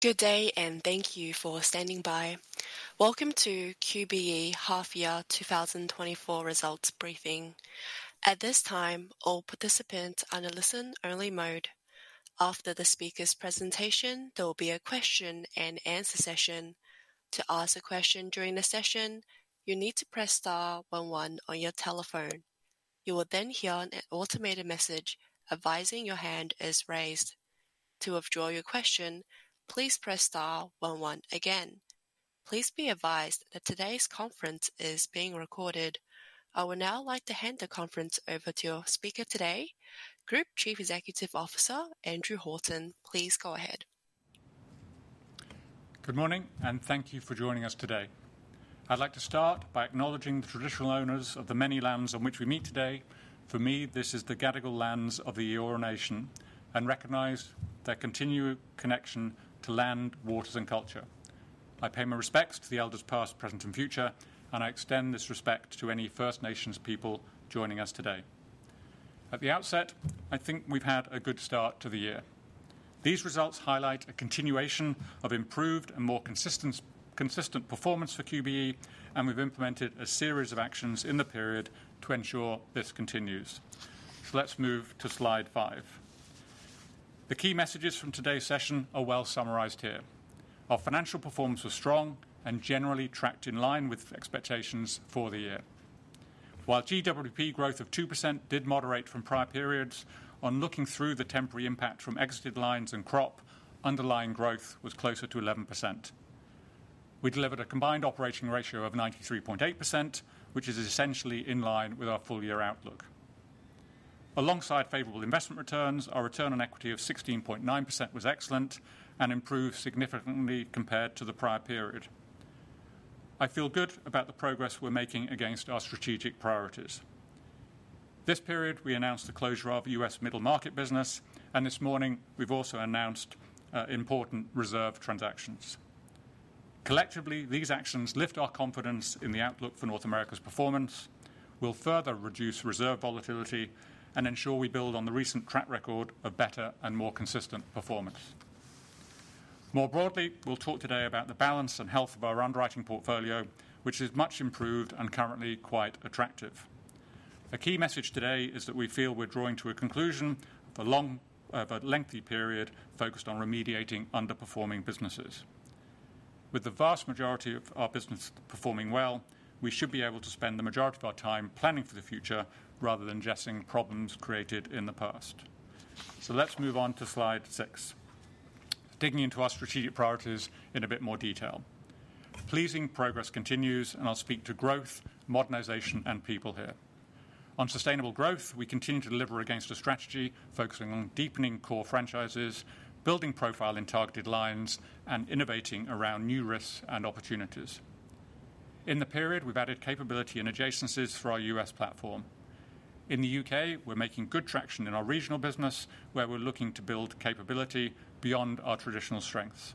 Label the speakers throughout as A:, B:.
A: Good day, and thank you for standing by. Welcome to QBE half year 2024 results briefing. At this time, all participants are in a listen-only mode. After the speaker's presentation, there will be a question-and-answer session. To ask a question during the session, you need to press star one one on your telephone. You will then hear an automated message advising your hand is raised. To withdraw your question, please press star one one again. Please be advised that today's conference is being recorded. I would now like to hand the conference over to your speaker today, Group Chief Executive Officer, Andrew Horton. Please go ahead.
B: Good morning, and thank you for joining us today. I'd like to start by acknowledging the traditional owners of the many lands on which we meet today. For me, this is the Gadigal lands of the Eora Nation, and recognize their continued connection to land, waters, and culture. I pay my respects to the elders, past, present, and future, and I extend this respect to any First Nations people joining us today. At the outset, I think we've had a good start to the year. These results highlight a continuation of improved and more consistent performance for QBE, and we've implemented a series of actions in the period to ensure this continues. Let's move to slide five. The key messages from today's session are well summarized here. Our financial performance was strong and generally tracked in line with expectations for the year. While GWP growth of 2% did moderate from prior periods, on looking through the temporary impact from exited lines and crop, underlying growth was closer to 11%. We delivered a combined operating ratio of 93.8%, which is essentially in line with our full-year outlook. Alongside favorable investment returns, our return on equity of 16.9% was excellent and improved significantly compared to the prior period. I feel good about the progress we're making against our strategic priorities. This period, we announced the closure of U.S. Middle Market business, and this morning, we've also announced, important reserve transactions. Collectively, these actions lift our confidence in the outlook for North America's performance, will further reduce reserve volatility, and ensure we build on the recent track record of better and more consistent performance. More broadly, we'll talk today about the balance and health of our underwriting portfolio, which is much improved and currently quite attractive. A key message today is that we feel we're drawing to a conclusion of a long, a lengthy period focused on remediating underperforming businesses. With the vast majority of our business performing well, we should be able to spend the majority of our time planning for the future rather than addressing problems created in the past. So let's move on to slide six. Digging into our strategic priorities in a bit more detail. Pleasing progress continues, and I'll speak to growth, modernization, and people here. On sustainable growth, we continue to deliver against a strategy focusing on deepening core franchises, building profile in targeted lines, and innovating around new risks and opportunities. In the period, we've added capability and adjacencies for our U.S. platform. In the U.K., we're making good traction in our regional business, where we're looking to build capability beyond our traditional strengths.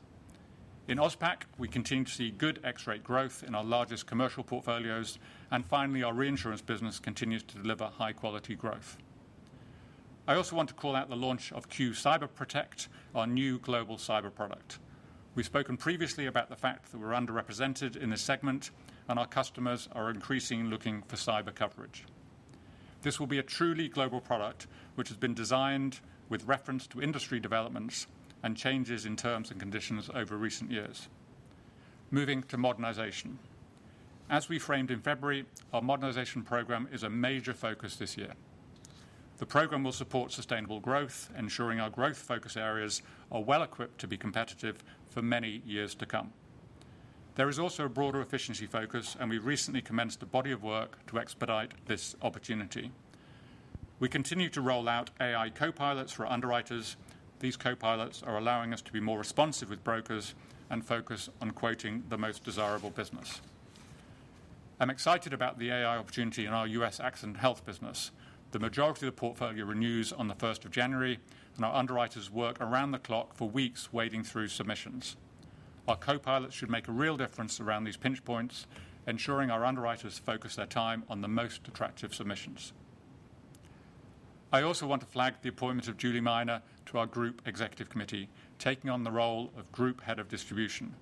B: In AusPac, we continue to see good FX rate growth in our largest commercial portfolios. And finally, our reinsurance business continues to deliver high-quality growth. I also want to call out the launch of Q CyberProtect, our new global cyber product. We've spoken previously about the fact that we're underrepresented in this segment, and our customers are increasingly looking for cyber coverage. This will be a truly global product, which has been designed with reference to industry developments and changes in terms and conditions over recent years. Moving to modernization. As we framed in February, our modernization program is a major focus this year. The program will support sustainable growth, ensuring our growth focus areas are well equipped to be competitive for many years to come. There is also a broader efficiency focus, and we recently commenced a body of work to expedite this opportunity. We continue to roll out AI copilots for our underwriters. These copilots are allowing us to be more responsive with brokers and focus on quoting the most desirable business. I'm excited about the AI opportunity in our U.S. Accident & Health business. The majority of the portfolio renews on the first of January, and our underwriters work around the clock for weeks, wading through submissions. Our copilots should make a real difference around these pinch points, ensuring our underwriters focus their time on the most attractive submissions. I also want to flag the appointment of Julie Wood to our Group Executive Committee, taking on the role of Group Head of Distribution.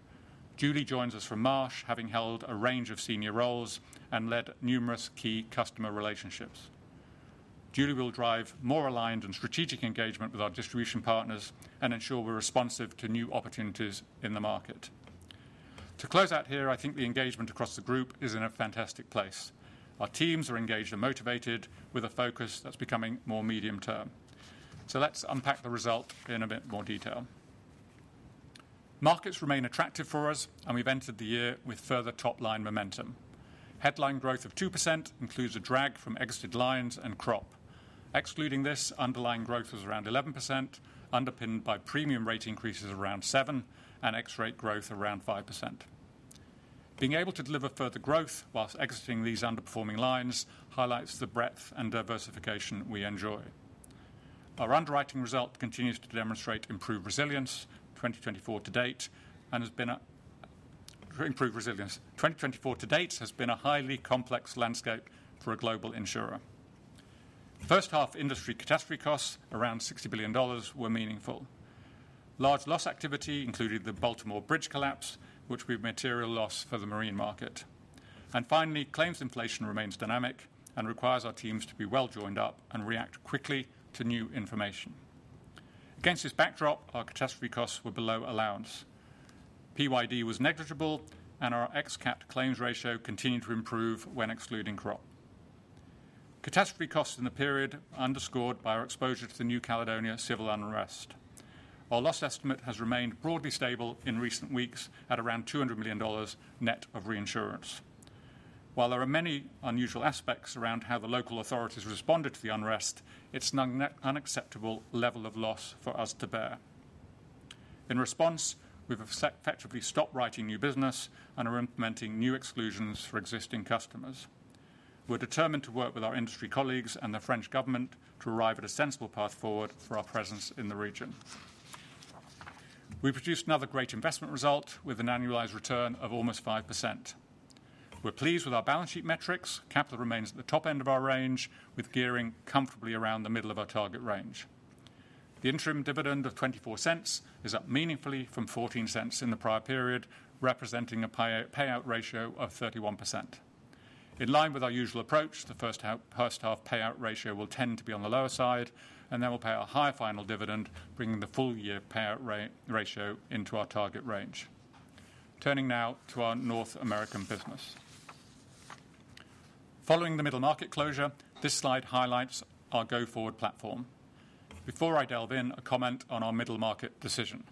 B: Julie joins us from Marsh, having held a range of senior roles and led numerous key customer relationships. Julie will drive more aligned and strategic engagement with our distribution partners and ensure we're responsive to new opportunities in the market. To close out here, I think the engagement across the group is in a fantastic place. Our teams are engaged and motivated, with a focus that's becoming more medium-term. Let's unpack the result in a bit more detail. Markets remain attractive for us, and we've entered the year with further top-line momentum. Headline growth of 2% includes a drag from exited lines and crop. Excluding this, underlying growth was around 11%, underpinned by premium rate increases around 7%, and FX rate growth around 5%. Being able to deliver further growth while exiting these underperforming lines highlights the breadth and diversification we enjoy. Our underwriting result continues to demonstrate improved resilience. 2024 to date has been improved resilience. 2024 to date has been a highly complex landscape for a global insurer. First half industry catastrophe costs, around $60 billion, were meaningful. Large loss activity included the Baltimore bridge collapse, which was material loss for the marine market. And finally, claims inflation remains dynamic and requires our teams to be well joined up and react quickly to new information. Against this backdrop, our catastrophe costs were below allowance. PYD was negligible, and our ex-cat claims ratio continued to improve when excluding crop. Catastrophe costs in the period underscored by our exposure to the New Caledonia civil unrest. Our loss estimate has remained broadly stable in recent weeks at around $200 million net of reinsurance. While there are many unusual aspects around how the local authorities responded to the unrest, it's an unacceptable level of loss for us to bear. In response, we've effectively stopped writing new business and are implementing new exclusions for existing customers. We're determined to work with our industry colleagues and the French government to arrive at a sensible path forward for our presence in the region. We produced another great investment result with an annualized return of almost 5%. We're pleased with our balance sheet metrics. Capital remains at the top end of our range, with gearing comfortably around the middle of our target range. The interim dividend of 0.24 is up meaningfully from 0.14 in the prior period, representing a payout ratio of 31%. In line with our usual approach, the first half, first half payout ratio will tend to be on the lower side, and then we'll pay a higher final dividend, bringing the full-year payout ratio into our target range. Turning now to our North America business. Following the Middle Market closure, this slide highlights our go-forward platform. Before I delve in, a comment on our Middle Market decision.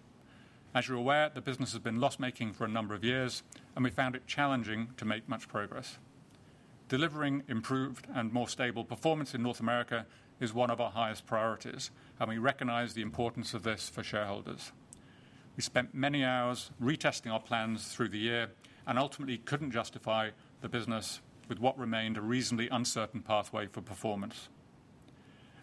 B: As you're aware, the business has been loss-making for a number of years, and we found it challenging to make much progress. Delivering improved and more stable performance in North America is one of our highest priorities, and we recognize the importance of this for shareholders. We spent many hours retesting our plans through the year and ultimately couldn't justify the business with what remained a reasonably uncertain pathway for performance.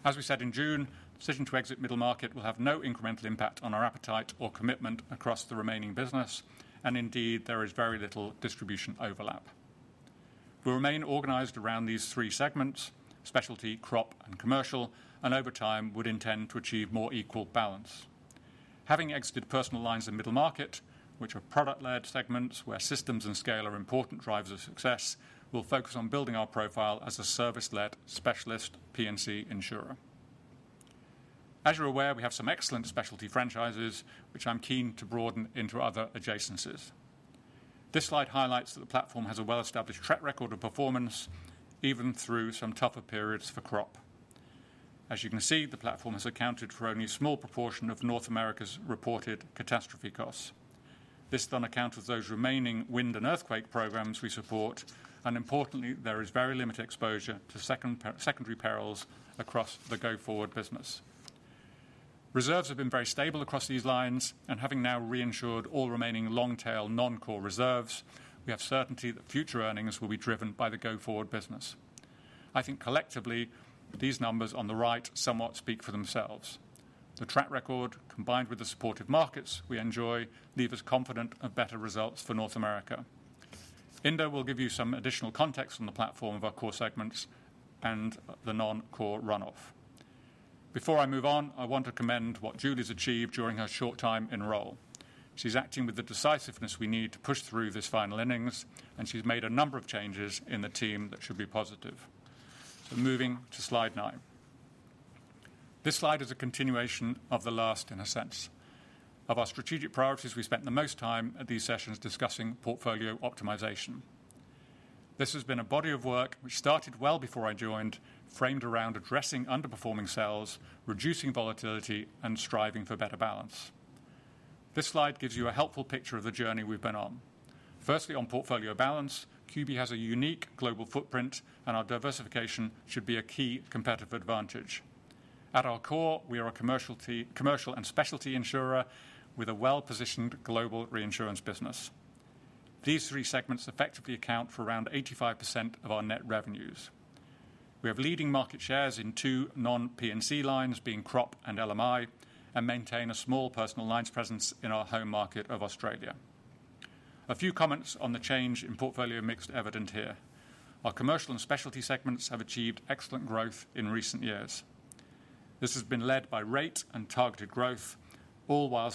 B: As we said in June, decision to exit Middle Market will have no incremental impact on our appetite or commitment across the remaining business, and indeed, there is very little distribution overlap. We remain organized around these three segments: Specialty, Crop, and Commercial, and over time would intend to achieve more equal balance. Having exited Personal Lines and Middle Market, which are product-led segments where systems and scale are important drivers of success, we'll focus on building our profile as a service-led specialist P&C insurer. As you're aware, we have some excellent specialty franchises, which I'm keen to broaden into other adjacencies. This slide highlights that the platform has a well-established track record of performance, even through some tougher periods for crop. As you can see, the platform has accounted for only a small proportion of North America's reported catastrophe costs. This is on account of those remaining wind and earthquake programs we support, and importantly, there is very limited exposure to secondary perils across the go-forward business. Reserves have been very stable across these lines, and having now reinsured all remaining long-tail, non-core reserves, we have certainty that future earnings will be driven by the go-forward business. I think collectively, these numbers on the right somewhat speak for themselves. The track record, combined with the supportive markets we enjoy, leave us confident of better results for North America. Inder will give you some additional context on the platform of our core segments and the non-core runoff. Before I move on, I want to commend what Julie has achieved during her short time in role. She's acting with the decisiveness we need to push through this final innings, and she's made a number of changes in the team that should be positive. But moving to slide nine. This slide is a continuation of the last in a sense. Of our strategic priorities, we spent the most time at these sessions discussing portfolio optimization. This has been a body of work which started well before I joined, framed around addressing underperforming sales, reducing volatility, and striving for better balance. This slide gives you a helpful picture of the journey we've been on. Firstly, on portfolio balance, QBE has a unique global footprint, and our diversification should be a key competitive advantage. At our core, we are a commercial and specialty insurer with a well-positioned global reinsurance business. These three segments effectively account for around 85% of our net revenues. We have leading market shares in two non-P&C lines, being crop and LMI, and maintain a small personal lines presence in our home market of Australia. A few comments on the change in portfolio mix evident here. Our commercial and specialty segments have achieved excellent growth in recent years. This has been led by rate and targeted growth, all while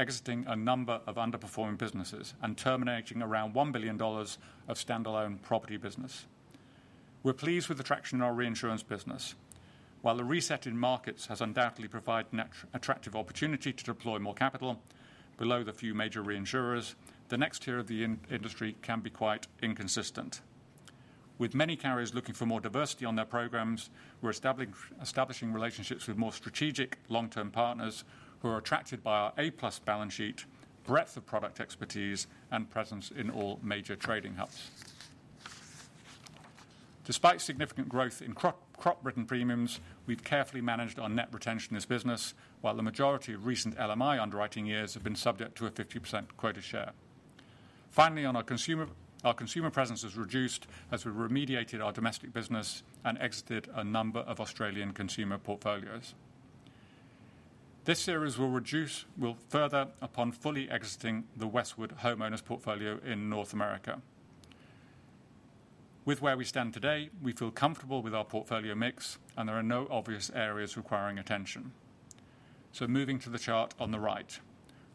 B: exiting a number of underperforming businesses and terminating around $1 billion of standalone property business. We're pleased with the traction in our reinsurance business. While the reset in markets has undoubtedly provided attractive opportunity to deploy more capital below the few major reinsurers, the next tier of the industry can be quite inconsistent. With many carriers looking for more diversity on their programs, we're establishing relationships with more strategic long-term partners who are attracted by our A+ balance sheet, breadth of product expertise, and presence in all major trading hubs. Despite significant growth in crop, crop written premiums, we've carefully managed our net retention in this business, while the majority of recent LMI underwriting years have been subject to a 50% quota share. Finally, on our consumer, our consumer presence has reduced as we remediated our domestic business and exited a number of Australian consumer portfolios. This series will reduce, will further upon fully exiting the Westwood homeowners portfolio in North America. With where we stand today, we feel comfortable with our portfolio mix, and there are no obvious areas requiring attention. So moving to the chart on the right,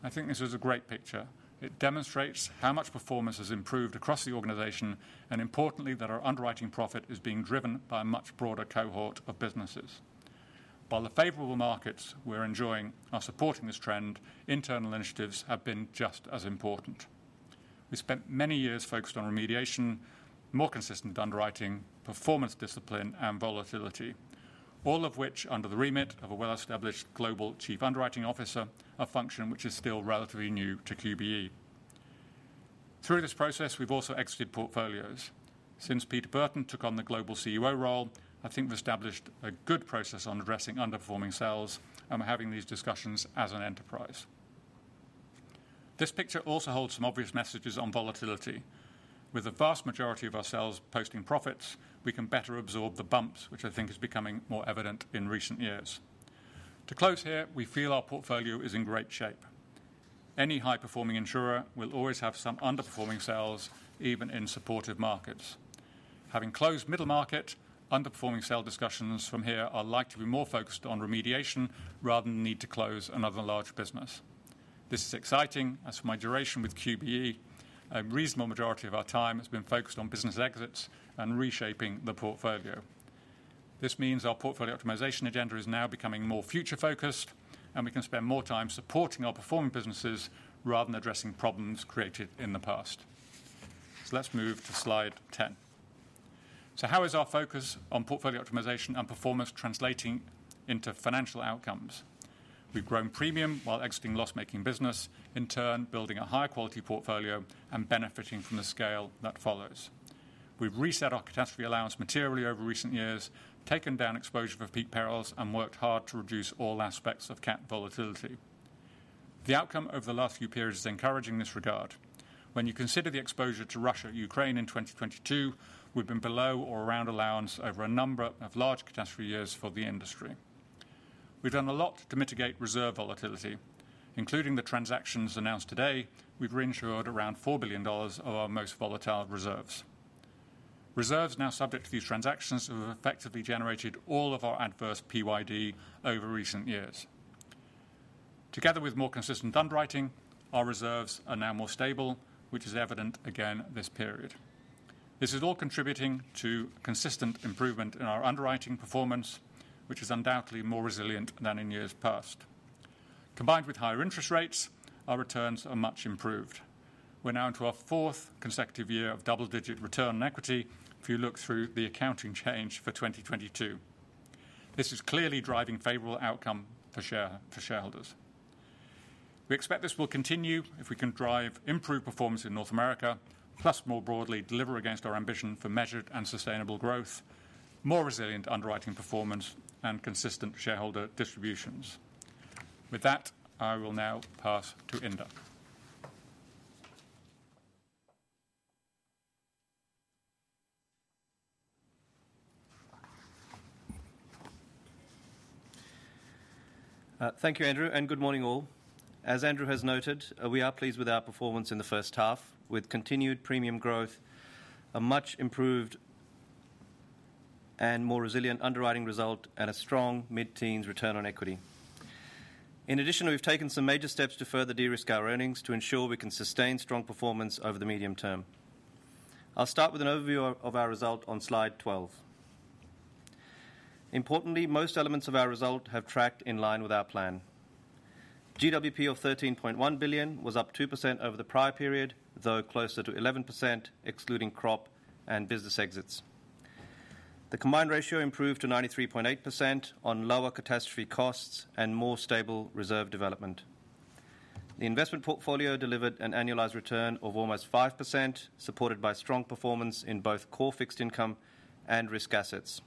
B: I think this is a great picture. It demonstrates how much performance has improved across the organization, and importantly, that our underwriting profit is being driven by a much broader cohort of businesses. While the favorable markets we're enjoying are supporting this trend, internal initiatives have been just as important. We spent many years focused on remediation, more consistent underwriting, performance discipline, and volatility, all of which under the remit of a well-established global chief underwriting officer, a function which is still relatively new to QBE. Through this process, we've also exited portfolios. Since Peter Burton took on the global CUO role, I think we've established a good process on addressing underperforming cells and having these discussions as an enterprise. This picture also holds some obvious messages on volatility. With the vast majority of our sales posting profits, we can better absorb the bumps, which I think is becoming more evident in recent years. To close here, we feel our portfolio is in great shape. Any high-performing insurer will always have some underperforming cells, even in supportive markets. Having closed Middle Market, underperforming cell discussions from here are likely to be more focused on remediation rather than the need to close another large business. This is exciting, as for my duration with QBE, a reasonable majority of our time has been focused on business exits and reshaping the portfolio. This means our portfolio optimization agenda is now becoming more future-focused, and we can spend more time supporting our performing businesses rather than addressing problems created in the past. So let's move to slide 10. So how is our focus on portfolio optimization and performance translating into financial outcomes? We've grown premium while exiting loss-making business, in turn, building a higher quality portfolio and benefiting from the scale that follows. We've reset our catastrophe allowance materially over recent years, taken down exposure for peak perils, and worked hard to reduce all aspects of cat volatility. The outcome over the last few periods is encouraging in this regard. When you consider the exposure to Russia and Ukraine in 2022, we've been below or around allowance over a number of large catastrophe years for the industry. We've done a lot to mitigate reserve volatility, including the transactions announced today. We've reinsured around $4 billion of our most volatile reserves. Reserves now subject to these transactions have effectively generated all of our adverse PYD over recent years. Together with more consistent underwriting, our reserves are now more stable, which is evident again this period. This is all contributing to consistent improvement in our underwriting performance, which is undoubtedly more resilient than in years past. Combined with higher interest rates, our returns are much improved. We're now into our fourth consecutive year of double-digit return on equity, if you look through the accounting change for 2022. This is clearly driving favorable outcome for share, for shareholders. We expect this will continue if we can drive improved performance in North America, plus more broadly, deliver against our ambition for measured and sustainable growth, more resilient underwriting performance, and consistent shareholder distributions. With that, I will now pass to Inder.
C: Thank you, Andrew, and good morning, all. As Andrew has noted, we are pleased with our performance in the first half, with continued premium growth, a much improved and more resilient underwriting result, and a strong mid-teens return on equity. In addition, we've taken some major steps to further de-risk our earnings to ensure we can sustain strong performance over the medium term. I'll start with an overview of our result on slide 12. Importantly, most elements of our result have tracked in line with our plan. GWP of 13.1 billion was up 2% over the prior period, though closer to 11%, excluding crop and business exits. The combined ratio improved to 93.8% on lower catastrophe costs and more stable reserve development. The investment portfolio delivered an annualized return of almost 5%, supported by strong performance in both core fixed income and risk assets.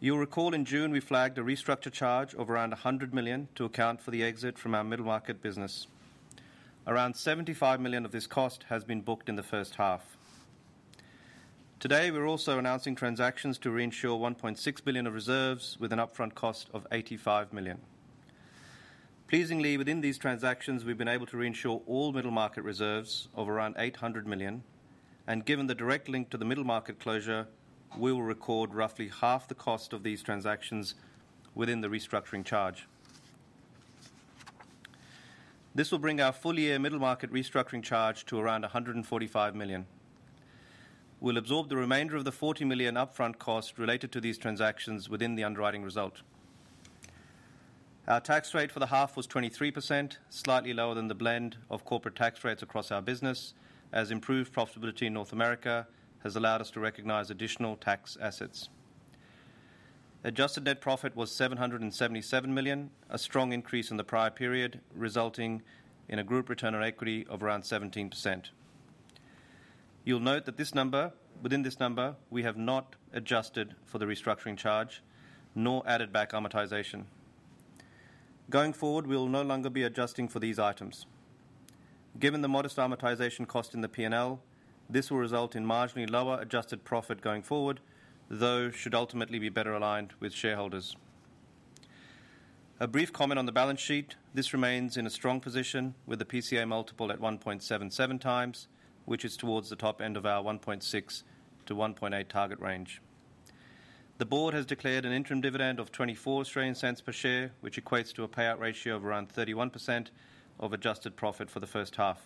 C: You'll recall in June, we flagged a restructure charge of around $100 million to account for the exit from our Middle Market business. Around $75 million of this cost has been booked in the first half. Today, we're also announcing transactions to reinsure $1.6 billion of reserves with an upfront cost of $85 million. Pleasingly, within these transactions, we've been able to reinsure all Middle Market reserves of around $800 million, and given the direct link to the Middle Market closure, we will record roughly half the cost of these transactions within the restructuring charge. This will bring our full-year Middle Market restructuring charge to around $145 million. We'll absorb the remainder of the $40 million upfront cost related to these transactions within the underwriting result. Our tax rate for the half was 23%, slightly lower than the blend of corporate tax rates across our business, as improved profitability in North America has allowed us to recognize additional tax assets. Adjusted net profit was $777 million, a strong increase in the prior period, resulting in a group return on equity of around 17%. You'll note that this number, within this number, we have not adjusted for the restructuring charge nor added back amortization. Going forward, we will no longer be adjusting for these items. Given the modest amortization cost in the P&L, this will result in marginally lower adjusted profit going forward, though should ultimately be better aligned with shareholders. A brief comment on the balance sheet. This remains in a strong position, with the PCA multiple at 1.77x, which is towards the top end of our 1.6-1.8 target range. The board has declared an interim dividend of 0.24 per share, which equates to a payout ratio of around 31% of adjusted profit for the first half.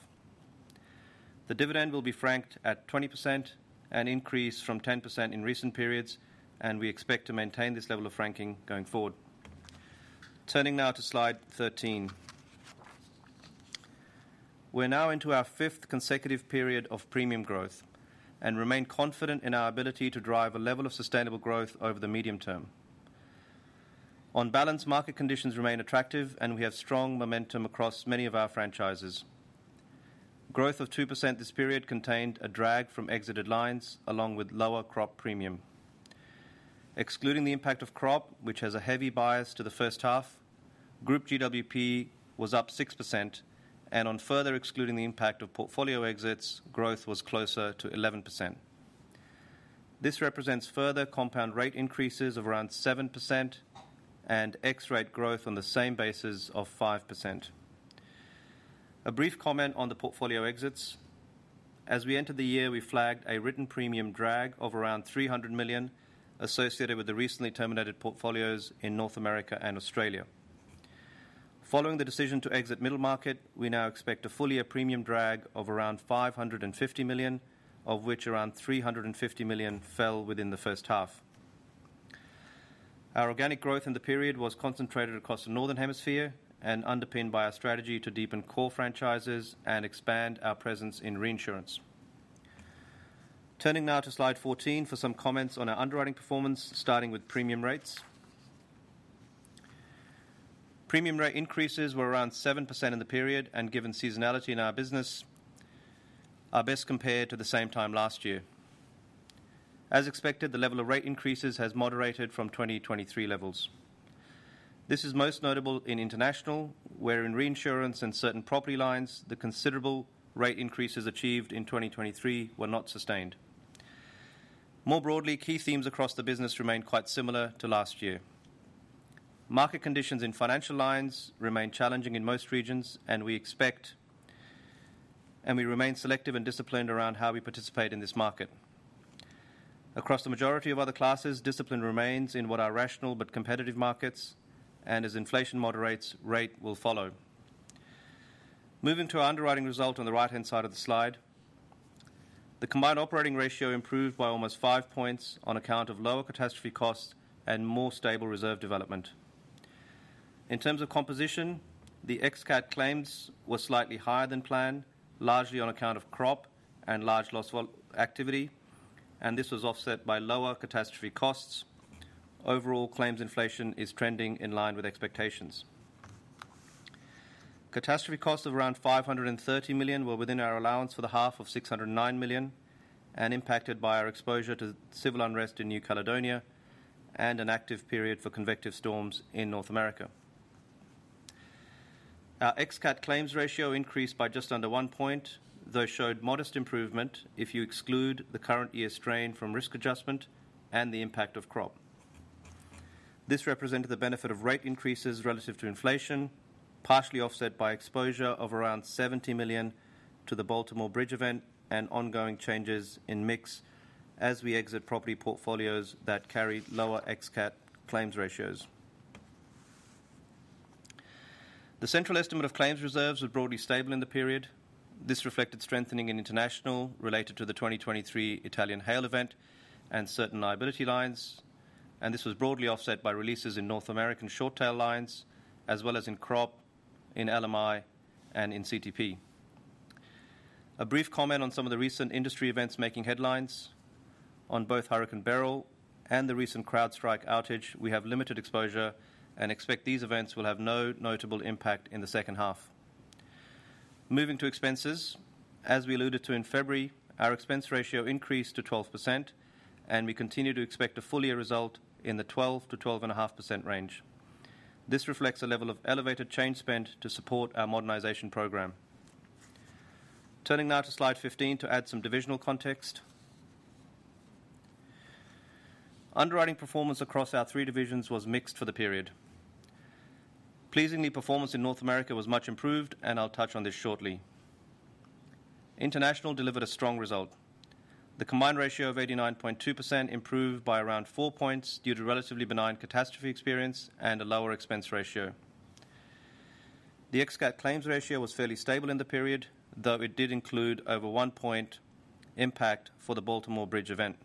C: The dividend will be franked at 20%, an increase from 10% in recent periods, and we expect to maintain this level of franking going forward. Turning now to slide 13. We're now into our fifth consecutive period of premium growth and remain confident in our ability to drive a level of sustainable growth over the medium term. On balance, market conditions remain attractive, and we have strong momentum across many of our franchises. Growth of 2% this period contained a drag from exited lines, along with lower crop premium. Excluding the impact of crop, which has a heavy bias to the first half, group GWP was up 6%, and on further excluding the impact of portfolio exits, growth was closer to 11%. This represents further compound rate increases of around 7% and FX rate growth on the same basis of 5%. A brief comment on the portfolio exits. As we entered the year, we flagged a written premium drag of around $300 million associated with the recently terminated portfolios in North America and Australia. Following the decision to exit Middle Market, we now expect a fuller premium drag of around $550 million, of which around $350 million fell within the first half. Our organic growth in the period was concentrated across the Northern Hemisphere and underpinned by our strategy to deepen core franchises and expand our presence in reinsurance. Turning now to slide 14 for some comments on our underwriting performance, starting with premium rates. Premium rate increases were around 7% in the period, and given seasonality in our business, are best compared to the same time last year. As expected, the level of rate increases has moderated from 2023 levels. This is most notable in international, where in reinsurance and certain property lines, the considerable rate increases achieved in 2023 were not sustained. More broadly, key themes across the business remain quite similar to last year. Market conditions in financial lines remain challenging in most regions, and we remain selective and disciplined around how we participate in this market. Across the majority of other classes, discipline remains in what are rational but competitive markets, and as inflation moderates, rate will follow. Moving to our underwriting result on the right-hand side of the slide. The combined operating ratio improved by almost five points on account of lower catastrophe costs and more stable reserve development. In terms of composition, the ex-cat claims were slightly higher than planned, largely on account of crop and large loss activity, and this was offset by lower catastrophe costs. Overall, claims inflation is trending in line with expectations. Catastrophe costs of around 530 million were within our allowance for the half of 609 million, and impacted by our exposure to civil unrest in New Caledonia and an active period for convective storms in North America. Our ex-cat claims ratio increased by just under one point, though showed modest improvement if you exclude the current year strain from risk adjustment and the impact of crop. This represented the benefit of rate increases relative to inflation, partially offset by exposure of around $70 million to the Baltimore Bridge event and ongoing changes in mix as we exit property portfolios that carried lower ex-cat claims ratios. The central estimate of claims reserves was broadly stable in the period. This reflected strengthening in international related to the 2023 Italian hail event and certain liability lines, and this was broadly offset by releases in North American short tail lines, as well as in crop, in LMI, and in CTP. A brief comment on some of the recent industry events making headlines. On both Hurricane Beryl and the recent CrowdStrike outage, we have limited exposure and expect these events will have no notable impact in the second half. Moving to expenses. As we alluded to in February, our expense ratio increased to 12%, and we continue to expect a fuller result in the 12%-12.5% range. This reflects a level of elevated claims spend to support our modernization program. Turning now to slide 15 to add some divisional context. Underwriting performance across our three divisions was mixed for the period. Pleasingly, performance in North America was much improved, and I'll touch on this shortly. International delivered a strong result. The combined ratio of 89.2% improved by around four points due to relatively benign catastrophe experience and a lower expense ratio. The ex-cat claims ratio was fairly stable in the period, though it did include over one point impact for the Baltimore Bridge event.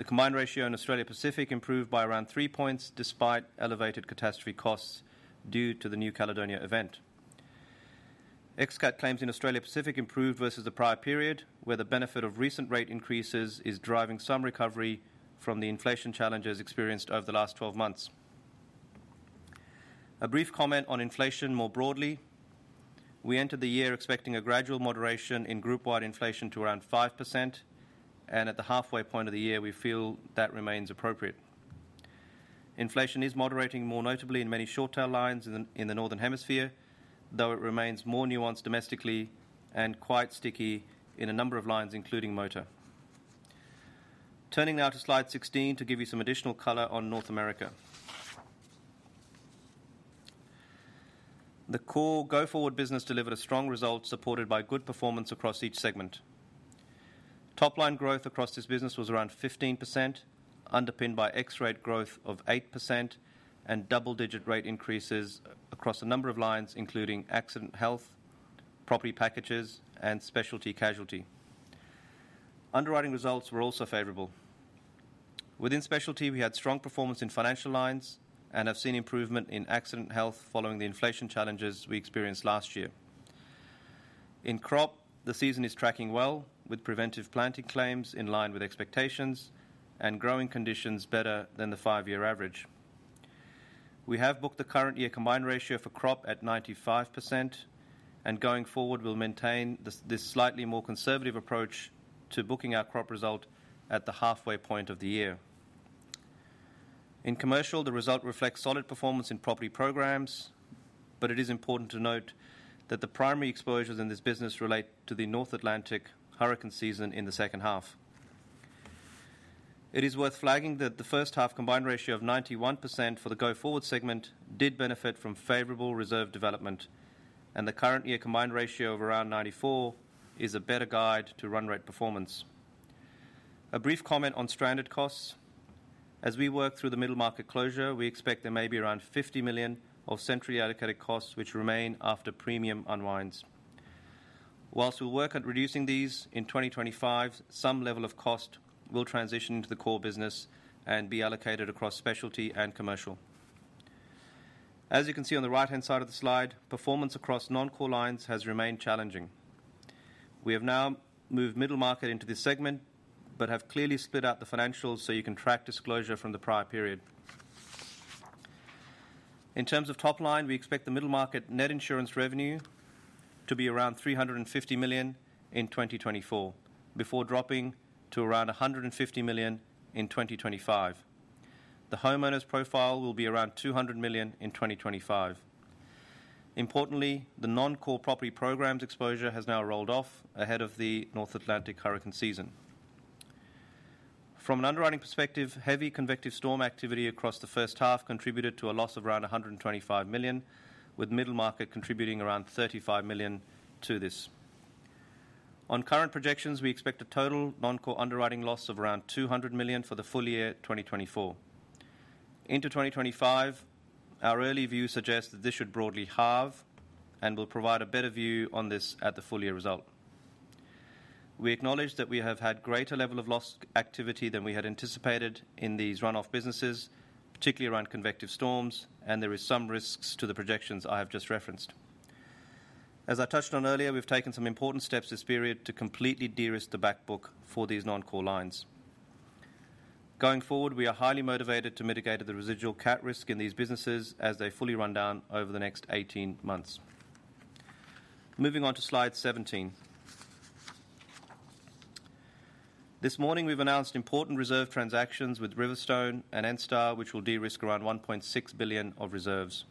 C: The combined ratio in Australia Pacific improved by around three points, despite elevated catastrophe costs due to the New Caledonia event. Ex-cat claims in Australia Pacific improved versus the prior period, where the benefit of recent rate increases is driving some recovery from the inflation challenges experienced over the last 12 months. A brief comment on inflation more broadly. We entered the year expecting a gradual moderation in group-wide inflation to around 5%, and at the halfway point of the year, we feel that remains appropriate.... Inflation is moderating more notably in many short tail lines in the Northern Hemisphere, though it remains more nuanced domestically and quite sticky in a number of lines, including motor. Turning now to slide 16 to give you some additional color on North America. The core go forward business delivered a strong result, supported by good performance across each segment. Top line growth across this business was around 15%, underpinned by FX rate growth of 8% and double-digit rate increases across a number of lines, including Accident & Health, property packages, and specialty casualty. Underwriting results were also favorable. Within specialty, we had strong performance in financial lines and have seen improvement in Accident & Health following the inflation challenges we experienced last year. In crop, the season is tracking well, with preventive planting claims in line with expectations and growing conditions better than the five-year average. We have booked the current year combined ratio for crop at 95%, and going forward, we'll maintain this slightly more conservative approach to booking our crop result at the halfway point of the year. In commercial, the result reflects solid performance in property programs, but it is important to note that the primary exposures in this business relate to the North Atlantic hurricane season in the second half. It is worth flagging that the first half combined ratio of 91% for the go forward segment did benefit from favorable reserve development, and the current year combined ratio of around 94% is a better guide to run rate performance. A brief comment on stranded costs. As we work through the Middle Market closure, we expect there may be around $50 million of centrally allocated costs which remain after premium unwinds. While we'll work at reducing these in 2025, some level of cost will transition into the core business and be allocated across specialty and commercial. As you can see on the right-hand side of the slide, performance across non-core lines has remained challenging. We have now moved Middle Market into this segment, but have clearly split out the financials so you can track disclosure from the prior period. In terms of top line, we expect the Middle Market net insurance revenue to be around $350 million in 2024, before dropping to around $150 million in 2025. The homeowners portfolio will be around $200 million in 2025. Importantly, the non-core property programs exposure has now rolled off ahead of the North Atlantic hurricane season. From an underwriting perspective, heavy convective storm activity across the first half contributed to a loss of around $125 million, with Middle Market contributing around $35 million to this. On current projections, we expect a total non-core underwriting loss of around $200 million for the full-year 2024. Into 2025, our early view suggests that this should broadly halve, and we'll provide a better view on this at the full-year result. We acknowledge that we have had greater level of loss activity than we had anticipated in these run-off businesses, particularly around convective storms, and there is some risks to the projections I have just referenced. As I touched on earlier, we've taken some important steps this period to completely de-risk the back book for these non-core lines. Going forward, we are highly motivated to mitigate the residual cat risk in these businesses as they fully run down over the next 18 months. Moving on to slide 17. This morning, we've announced important reserve transactions with RiverStone and Enstar, which will de-risk around $1.6 billion of reserves.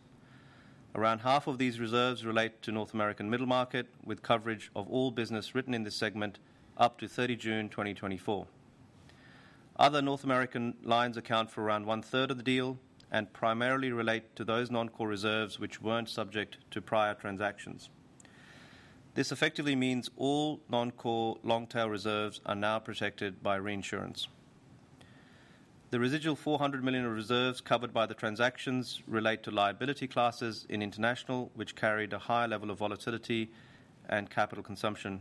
C: Around half of these reserves relate to North American Middle Market, with coverage of all business written in this segment up to 30 June 2024. Other North American lines account for around one third of the deal and primarily relate to those non-core reserves which weren't subject to prior transactions. This effectively means all non-core long-tail reserves are now protected by reinsurance. The residual $400 million of reserves covered by the transactions relate to liability classes in international, which carried a higher level of volatility and capital consumption.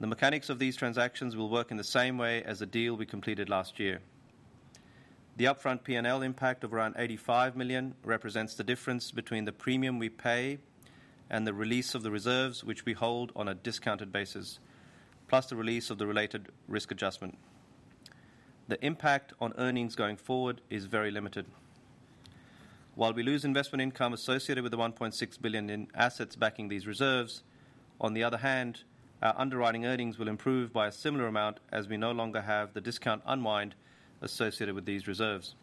C: The mechanics of these transactions will work in the same way as the deal we completed last year. The upfront P&L impact of around $85 million represents the difference between the premium we pay and the release of the reserves, which we hold on a discounted basis, plus the release of the related risk adjustment. The impact on earnings going forward is very limited. While we lose investment income associated with the $1.6 billion in assets backing these reserves, on the other hand, our underwriting earnings will improve by a similar amount as we no longer have the discount unwind associated with these reserves.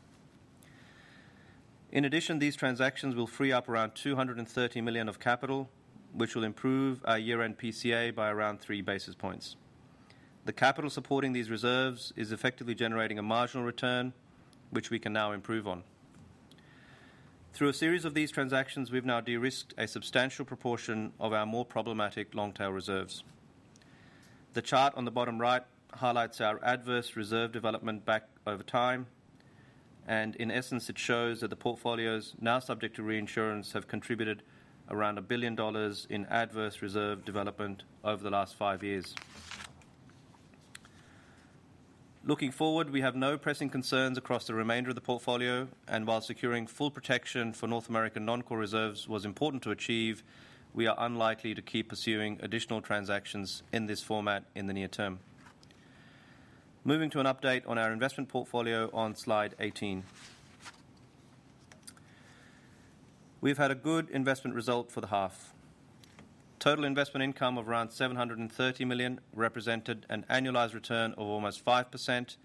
C: In addition, these transactions will free up around $230 million of capital, which will improve our year-end PCA by around three basis points. The capital supporting these reserves is effectively generating a marginal return, which we can now improve on. Through a series of these transactions, we've now de-risked a substantial proportion of our more problematic long-tail reserves. The chart on the bottom right highlights our adverse reserve development back over time, and in essence, it shows that the portfolios now subject to reinsurance have contributed around $1 billion in adverse reserve development over the last five years. Looking forward, we have no pressing concerns across the remainder of the portfolio, and while securing full protection for North American non-core reserves was important to achieve, we are unlikely to keep pursuing additional transactions in this format in the near term. Moving to an update on our investment portfolio on slide 18. We've had a good investment result for the half. Total investment income of around $730 million represented an annualized return of almost 5%,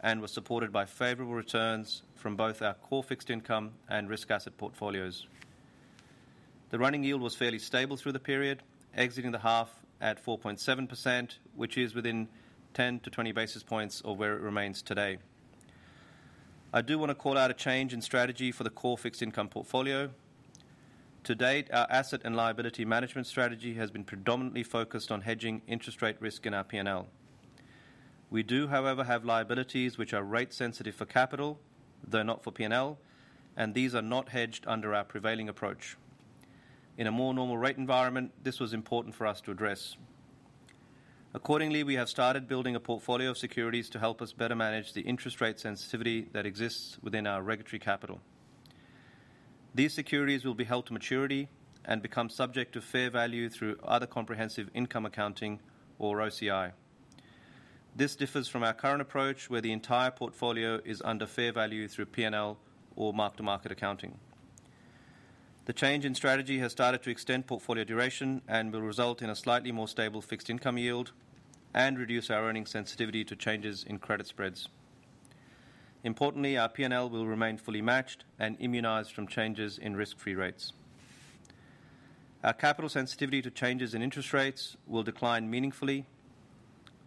C: and was supported by favorable returns from both our core fixed income and risk asset portfolios. The running yield was fairly stable through the period, exiting the half at 4.7%, which is within 10-20 basis points of where it remains today. I do want to call out a change in strategy for the core fixed income portfolio. To date, our asset and liability management strategy has been predominantly focused on hedging interest rate risk in our P&L. We do, however, have liabilities which are rate sensitive for capital, though not for P&L, and these are not hedged under our prevailing approach. In a more normal rate environment, this was important for us to address. Accordingly, we have started building a portfolio of securities to help us better manage the interest rate sensitivity that exists within our regulatory capital. These securities will be held to maturity and become subject to fair value through other comprehensive income accounting, or OCI. This differs from our current approach, where the entire portfolio is under fair value through P&L or mark-to-market accounting. The change in strategy has started to extend portfolio duration and will result in a slightly more stable fixed income yield and reduce our earnings sensitivity to changes in credit spreads. Importantly, our P&L will remain fully matched and immunized from changes in risk-free rates. Our capital sensitivity to changes in interest rates will decline meaningfully.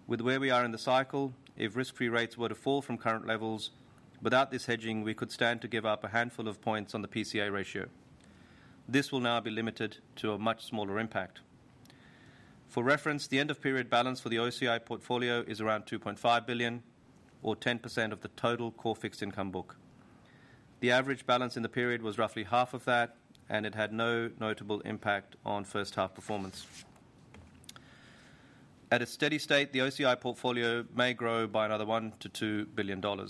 C: With where we are in the cycle, if risk-free rates were to fall from current levels, without this hedging, we could stand to give up a handful of points on the PCA ratio. This will now be limited to a much smaller impact. For reference, the end of period balance for the OCI portfolio is around $2.5 billion or 10% of the total core fixed income book. The average balance in the period was roughly half of that, and it had no notable impact on first half performance. At a steady state, the OCI portfolio may grow by another $1 billion-$2 billion.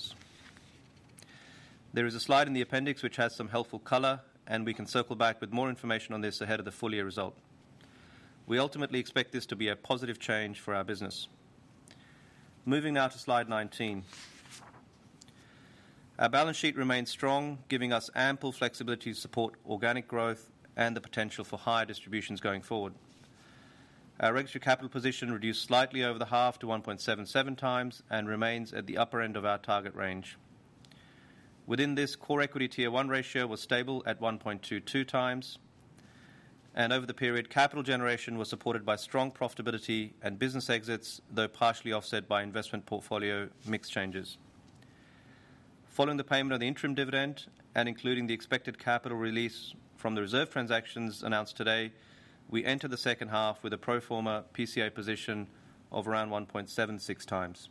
C: There is a slide in the appendix which has some helpful color, and we can circle back with more information on this ahead of the full-year result. We ultimately expect this to be a positive change for our business. Moving now to slide 19. Our balance sheet remains strong, giving us ample flexibility to support organic growth and the potential for higher distributions going forward. Our regulatory capital position reduced slightly over the half to 1.77x and remains at the upper end of our target range. Within this, Core Equity Tier 1 ratio was stable at 1.22x, and over the period, capital generation was supported by strong profitability and business exits, though partially offset by investment portfolio mix changes. Following the payment of the interim dividend and including the expected capital release from the reserve transactions announced today, we enter the second half with a pro forma PCA position of around 1.76x.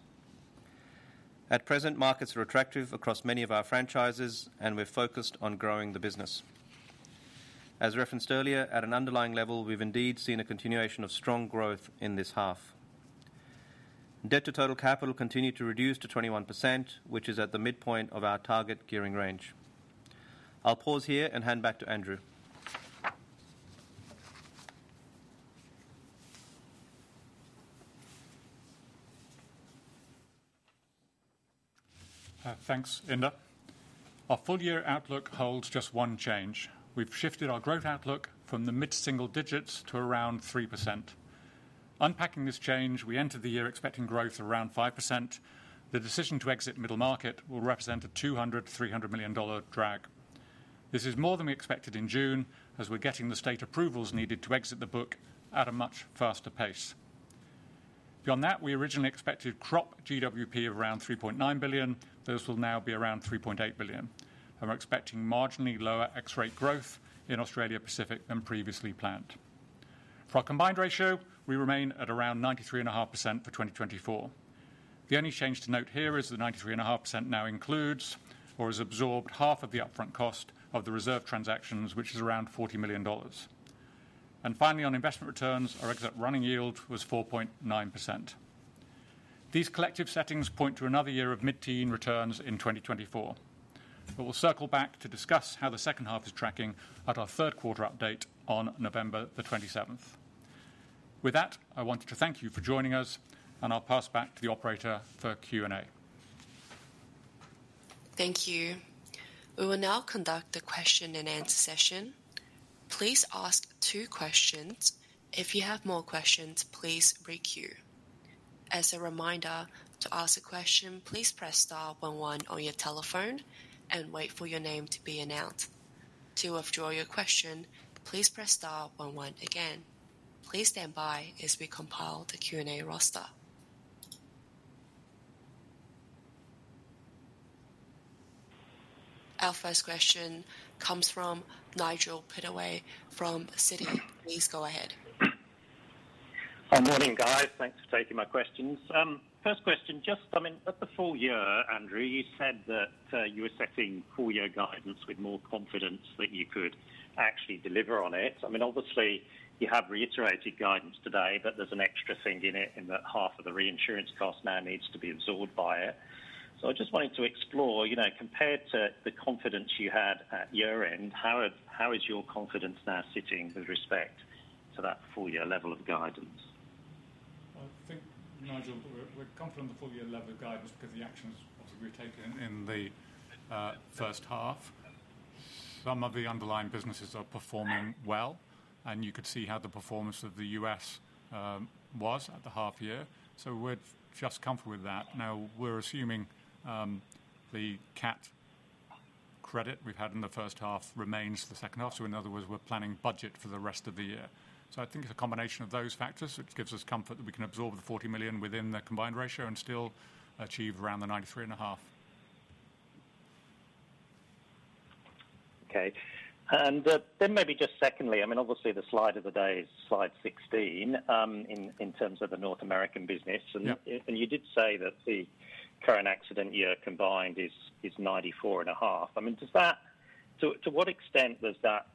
C: At present, markets are attractive across many of our franchises, and we're focused on growing the business. As referenced earlier, at an underlying level, we've indeed seen a continuation of strong growth in this half. Debt to total capital continued to reduce to 21%, which is at the midpoint of our target gearing range. I'll pause here and hand back to Andrew.
B: Thanks, Inder. Our full-year outlook holds just one change. We've shifted our growth outlook from the mid-single digits to around 3%. Unpacking this change, we entered the year expecting growth around 5%. The decision to exit Middle Market will represent a $200 million-$300 million drag. This is more than we expected in June, as we're getting the state approvals needed to exit the book at a much faster pace. Beyond that, we originally expected crop GWP of around $3.9 billion. This will now be around $3.8 billion, and we're expecting marginally lower FX rate growth in Australia Pacific than previously planned. For our combined ratio, we remain at around 93.5% for 2024. The only change to note here is that 93.5% now includes or has absorbed half of the upfront cost of the reserve transactions, which is around $40 million. And finally, on investment returns, our exit running yield was 4.9%. These collective settings point to another year of mid-teen returns in 2024, but we'll circle back to discuss how the second half is tracking at our third quarter update on November 27. With that, I want to thank you for joining us, and I'll pass back to the operator for Q&A.
A: Thank you. We will now conduct a question-and-answer session. Please ask two questions. If you have more questions, please requeue. As a reminder, to ask a question, please press star one one on your telephone and wait for your name to be announced. To withdraw your question, please press star one one again. Please stand by as we compile the Q&A roster. Our first question comes from Nigel Pittaway from Citi. Please go ahead.
D: Hi. Morning, guys. Thanks for taking my questions. First question, just, I mean, at the full-year, Andrew, you said that you were setting full-year guidance with more confidence that you could actually deliver on it. I mean, obviously, you have reiterated guidance today, but there's an extra thing in it in that half of the reinsurance cost now needs to be absorbed by it. So I just wanted to explore, you know, compared to the confidence you had at year-end, how is your confidence now sitting with respect to that full-year level of guidance?...
B: I think, Nigel, we're confident in the full-year level of guidance because the actions that we've taken in the first half, some of the underlying businesses are performing well, and you could see how the performance of the US was at the half year. So we're just comfortable with that. Now, we're assuming the cat credit we've had in the first half remains the second half. So in other words, we're planning budget for the rest of the year. So I think it's a combination of those factors, which gives us comfort that we can absorb the $40 million within the combined ratio and still achieve around the 93.5%.
D: Okay. And then maybe just secondly, I mean, obviously the slide of the day is slide 16 in terms of the North American business.
B: Yep.
D: You did say that the current accident year combined is 94.5%. I mean, does that—so to what extent does that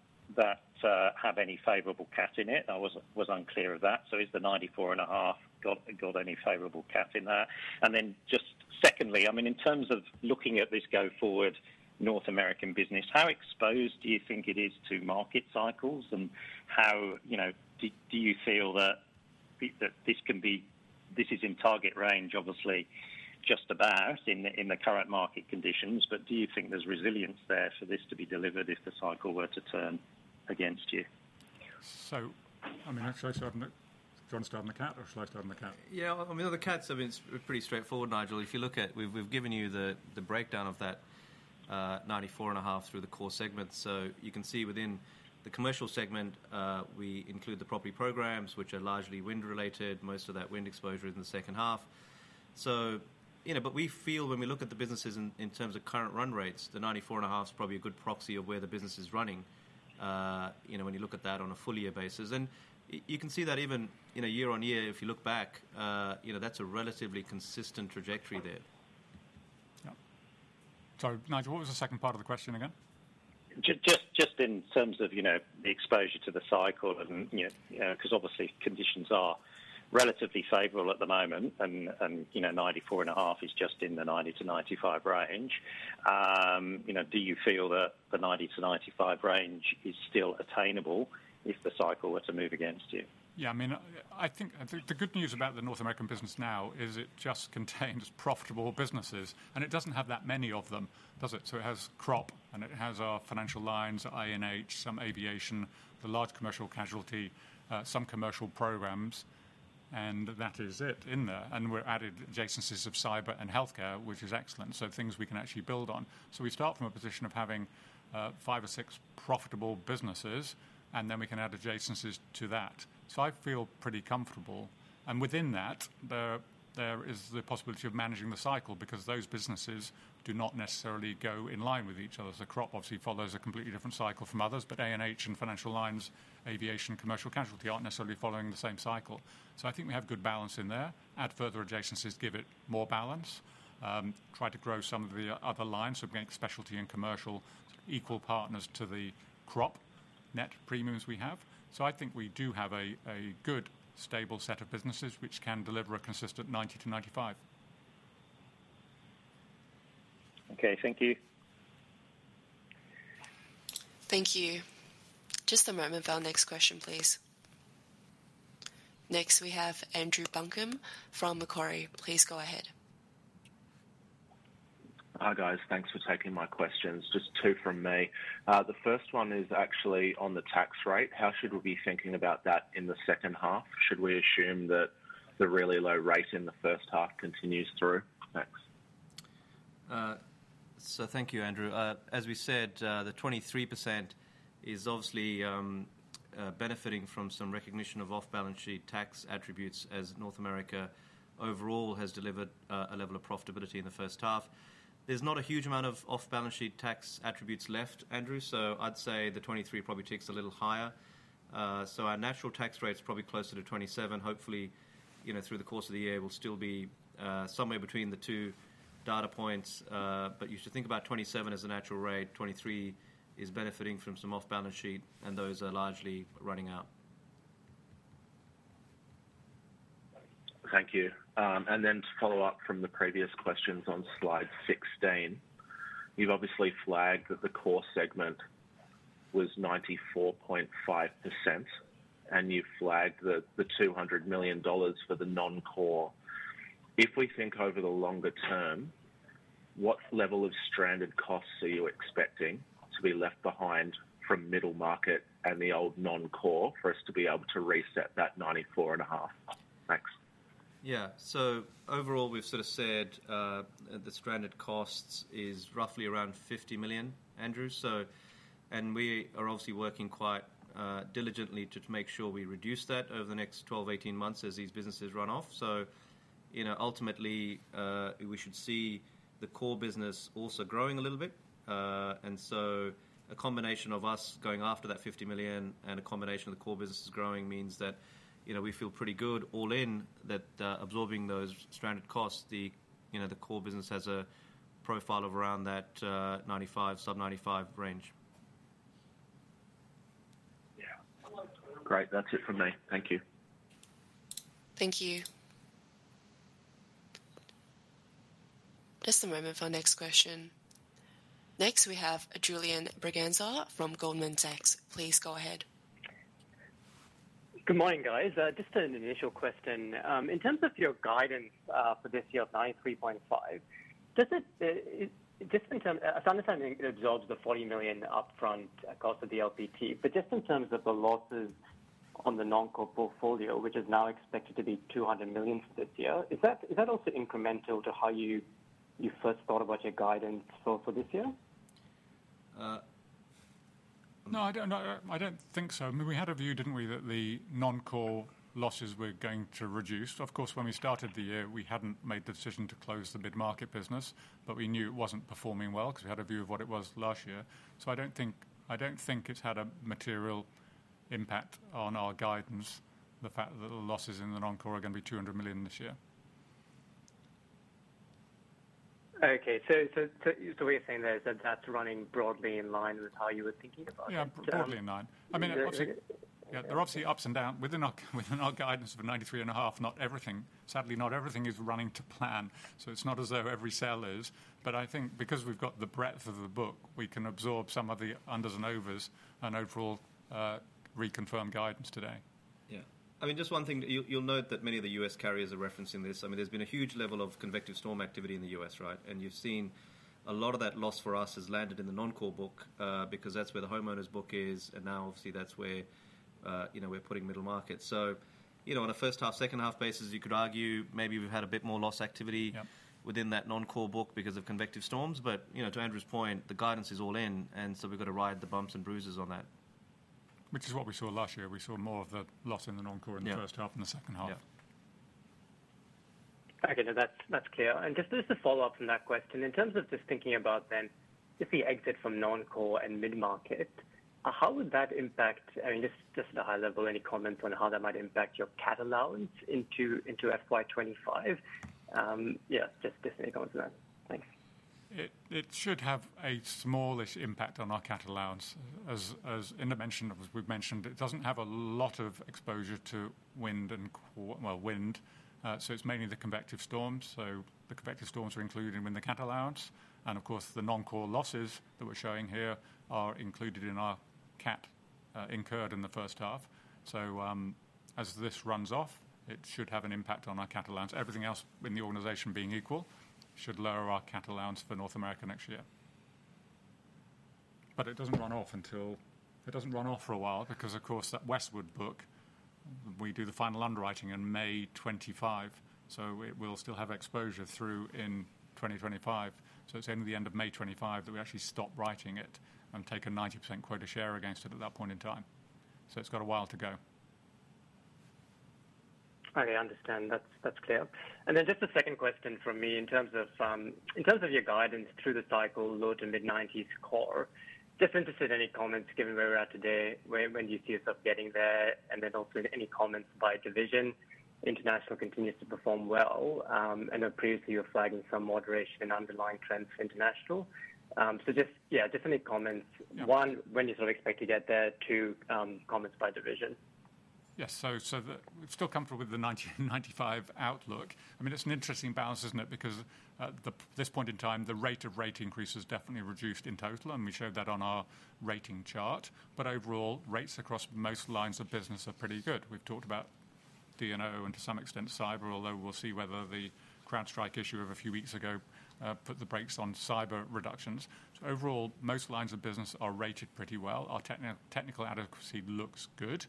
D: have any favorable cat in it? I was unclear of that. So is the 94.5% got any favorable cat in there? And then just secondly, I mean, in terms of looking at this go forward, North American business, how exposed do you think it is to market cycles? And how, you know, do you feel that this can be—this is in target range, obviously, just about in the current market conditions. But do you think there's resilience there for this to be delivered if the cycle were to turn against you?
B: So I mean, should I start on the...? Do you want to start on the cat, or should I start on the cat?
C: Yeah, I mean, on the cats, I mean, it's pretty straightforward, Nigel. If you look at, we've given you the breakdown of that 94.5% through the core segments. So you can see within the commercial segment, we include the property programs, which are largely wind related. Most of that wind exposure is in the second half. So, you know, but we feel when we look at the businesses in terms of current run rates, the 94.5% is probably a good proxy of where the business is running, you know, when you look at that on a full-year basis. And you can see that even in a year-on-year, if you look back, you know, that's a relatively consistent trajectory there.
B: Yeah. Sorry, Nigel, what was the second part of the question again?
D: Just in terms of, you know, the exposure to the cycle and, you know, 'cause obviously conditions are relatively favorable at the moment. And you know, 94.5% is just in the 90%-95% range. You know, do you feel that the 90%-95% range is still attainable if the cycle were to move against you?
B: Yeah, I mean, I think the good news about the North American business now is it just contains profitable businesses, and it doesn't have that many of them, does it? So it has crop, and it has our financial lines, A&H, some aviation, the large commercial casualty, some commercial programs, and that is it in there. And we've added adjacencies of cyber and healthcare, which is excellent, so things we can actually build on. So we start from a position of having five or six profitable businesses, and then we can add adjacencies to that. So I feel pretty comfortable. And within that, there is the possibility of managing the cycle because those businesses do not necessarily go in line with each other. So crop obviously follows a completely different cycle from others, but ANH and financial lines, aviation, commercial casualty aren't necessarily following the same cycle. So I think we have good balance in there. Add further adjacencies, give it more balance, try to grow some of the other lines, so make specialty and commercial equal partners to the crop net premiums we have. So I think we do have a good, stable set of businesses which can deliver a consistent 90%-95%.
D: Okay. Thank you.
A: Thank you. Just a moment for our next question, please. Next, we have Andrew Buncombe from Macquarie. Please go ahead.
E: Hi, guys. Thanks for taking my questions. Just two from me. The first one is actually on the tax rate. How should we be thinking about that in the second half? Should we assume that the really low rate in the first half continues through? Thanks.
C: So thank you, Andrew. As we said, the 23% is obviously benefiting from some recognition of off-balance sheet tax attributes, as North America overall has delivered a level of profitability in the first half. There's not a huge amount of off-balance sheet tax attributes left, Andrew, so I'd say the 23% probably ticks a little higher. So our natural tax rate is probably closer to 27%. Hopefully, you know, through the course of the year, we'll still be somewhere between the two data points. But you should think about 27% as a natural rate. 23% is benefiting from some off-balance sheet, and those are largely running out.
E: Thank you. And then to follow-up from the previous questions on slide 16, you've obviously flagged that the core segment was 94.5%, and you flagged the $200 million for the non-core. If we think over the longer term, what level of stranded costs are you expecting to be left behind from Middle Market and the old non-core for us to be able to reset that 94.5%? Thanks.
C: Yeah. So overall, we've sort of said, the stranded costs is roughly around $50 million, Andrew. So... And we are obviously working quite, diligently to make sure we reduce that over the next 12, 18 months as these businesses run off. So, you know, ultimately, we should see the core business also growing a little bit. And so a combination of us going after that $50 million and a combination of the core business is growing means that, you know, we feel pretty good all in, that, absorbing those stranded costs, the, you know, the core business has a profile of around that, 95%, sub-95% range.
E: Yeah. Great. That's it from me. Thank you.
A: Thank you... Just a moment for our next question. Next, we have Julian Braganza from Goldman Sachs. Please go ahead.
F: Good morning, guys. Just an initial question. In terms of your guidance for this year of 93.5%, does it, as I understand, absorb the 40 million upfront cost of the LPT? But just in terms of the losses on the non-core portfolio, which is now expected to be 200 million this year, is that, is that also incremental to how you first thought about your guidance for this year?
B: No, I don't know. I don't think so. I mean, we had a view, didn't we, that the non-core losses were going to reduce? Of course, when we started the year, we hadn't made the decision to close the Middle Market business, but we knew it wasn't performing well because we had a view of what it was last year. So I don't think, I don't think it's had a material impact on our guidance, the fact that the losses in the non-core are going to be $200 million this year.
F: Okay, so we're saying that that's running broadly in line with how you were thinking about it?
B: Yeah, broadly in line. I mean, obviously, yeah, there are obviously ups and down within our guidance for 93.5%. Not everything, sadly, not everything is running to plan, so it's not as though every sale is. But I think because we've got the breadth of the book, we can absorb some of the unders and overs and overall, reconfirm guidance today.
C: Yeah. I mean, just one thing. You'll note that many of the U.S. carriers are referencing this. I mean, there's been a huge level of convective storm activity in the U.S., right? And you've seen a lot of that loss for us has landed in the non-core book, because that's where the homeowners book is, and now obviously, that's where, you know, we're putting Middle Market. So, you know, on a first half, second half basis, you could argue maybe we've had a bit more loss activity-
B: Yeah...
C: within that non-core book because of convective storms. But, you know, to Andrew's point, the guidance is all in, and so we've got to ride the bumps and bruises on that.
B: Which is what we saw last year. We saw more of the loss in the non-core-
C: Yeah
B: in the first half than the second half.
C: Yeah.
F: Okay, now that's clear. And just a follow-up from that question. In terms of just thinking about then, if we exit from non-core Middle Market, how would that impact... I mean, just at a high level, any comments on how that might impact your cat allowance into FY 2025? Yeah, just any comments on that. Thanks.
B: It should have a smallish impact on our cat allowance. As Inder mentioned, as we've mentioned, it doesn't have a lot of exposure to wind, so it's mainly the convective storms. So the convective storms are included in the cat allowance, and of course, the non-core losses that we're showing here are included in our cat incurred in the first half. So, as this runs off, it should have an impact on our cat allowance. Everything else in the organization being equal should lower our cat allowance for North America next year. But it doesn't run off until. It doesn't run off for a while because, of course, that Westwood book, we do the final underwriting in May 2025, so we'll still have exposure through 2025. So it's only the end of May 2025 that we actually stop writing it and take a 90% quota share against it at that point in time. So it's got a while to go.
F: Okay, I understand. That's, that's clear. And then just a second question from me in terms of, in terms of your guidance through the cycle, low to mid-90s core, just interested any comments, given where we're at today, where, when do you see yourself getting there? And then also, any comments by division. International continues to perform well, and then previously you were flagging some moderation in underlying trends for international. So just, yeah, just any comments.
B: Yeah.
F: One, when do you sort of expect to get there? Two, comments by division.
B: Yes. So, we're still comfortable with the 99.5% outlook. I mean, it's an interesting balance, isn't it? Because at this point in time, the rate of rate increase has definitely reduced in total, and we showed that on our rating chart. But overall, rates across most lines of business are pretty good. We've talked about D&O and to some extent, cyber, although we'll see whether the CrowdStrike issue of a few weeks ago put the brakes on cyber reductions. So overall, most lines of business are rated pretty well. Our technical adequacy looks good.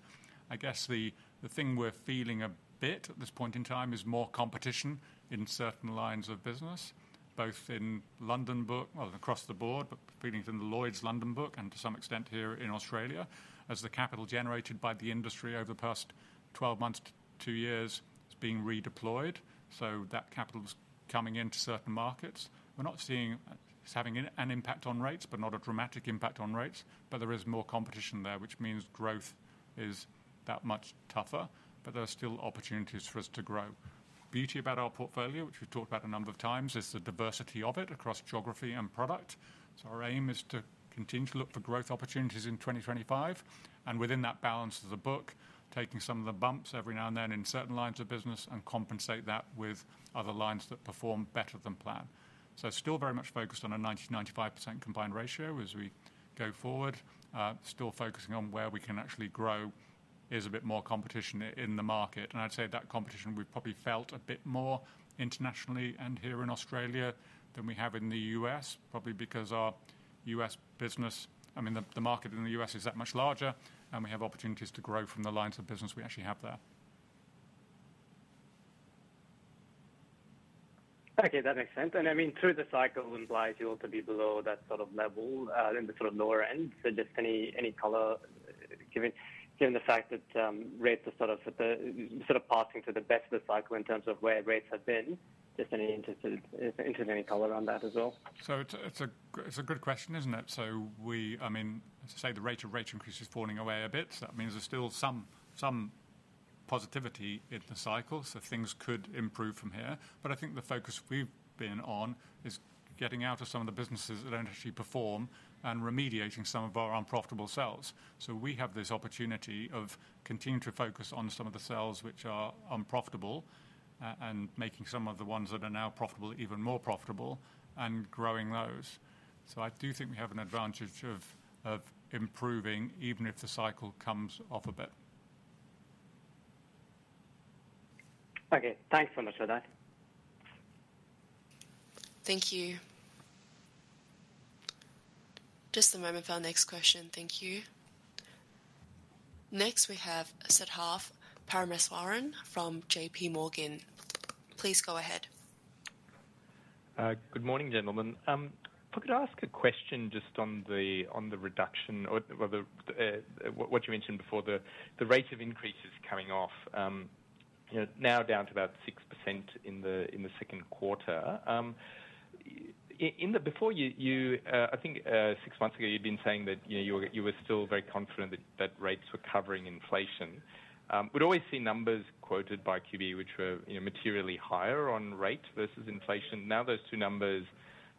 B: I guess the thing we're feeling a bit at this point in time is more competition in certain lines of business, both in London book, well, across the board, but particularly from the Lloyd's London book and to some extent here in Australia, as the capital generated by the industry over the past 12 months to two years is being redeployed. So that capital is coming into certain markets. We're not seeing it's having an impact on rates, but not a dramatic impact on rates. But there is more competition there, which means growth is that much tougher, but there are still opportunities for us to grow. Beauty about our portfolio, which we've talked about a number of times, is the diversity of it across geography and product. So our aim is to continue to look for growth opportunities in 2025, and within that balance of the book, taking some of the bumps every now and then in certain lines of business and compensate that with other lines that perform better than planned. So still very much focused on a 90%-95% combined ratio as we go forward. Still focusing on where we can actually grow. There's a bit more competition in the market, and I'd say that competition we've probably felt a bit more internationally and here in Australia than we have in the U.S., probably because our U.S. business, I mean, the, the market in the US is that much larger, and we have opportunities to grow from the lines of business we actually have there.
F: Okay, that makes sense. And I mean, through the cycle implies you ought to be below that sort of level in the sort of lower end. So just any color, given the fact that rates are sort of at the peak of the cycle in terms of where rates have been, just interested in any color on that as well?
B: So it's a good question, isn't it? So we... I mean, as I say, the rate of rate increase is falling away a bit. So that means there's still some positivity in the cycle, so things could improve from here. But I think the focus we've been on is-... getting out of some of the businesses that don't actually perform and remediating some of our unprofitable sales. So we have this opportunity of continuing to focus on some of the sales which are unprofitable, and making some of the ones that are now profitable, even more profitable and growing those. So I do think we have an advantage of improving, even if the cycle comes off a bit.
F: Okay, thanks so much for that.
A: Thank you. Just a moment for our next question. Thank you. Next, we have Siddharth Parameswaran from JPMorgan. Please go ahead.
G: Good morning, gentlemen. If I could ask a question just on the, on the reduction or, well, the, what you mentioned before, the, the rate of increases coming off, you know, now down to about 6% in the, in the second quarter. In the... Before you, I think, six months ago, you'd been saying that, you know, you were still very confident that rates were covering inflation. We'd always see numbers quoted by QBE, which were, you know, materially higher on rate versus inflation. Now, those two numbers,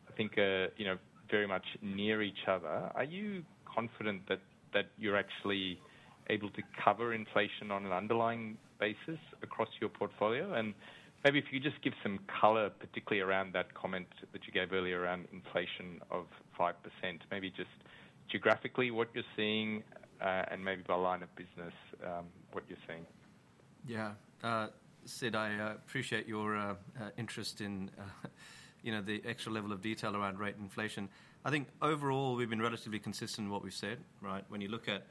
G: I think are, you know, very much near each other. Are you confident that you're actually able to cover inflation on an underlying basis across your portfolio? Maybe if you could just give some color, particularly around that comment that you gave earlier around inflation of 5%. Maybe just geographically, what you're seeing, and maybe by line of business, what you're seeing.
C: Yeah. Sid, I appreciate your interest in, you know, the extra level of detail around rate inflation. I think overall, we've been relatively consistent in what we've said, right? When you look at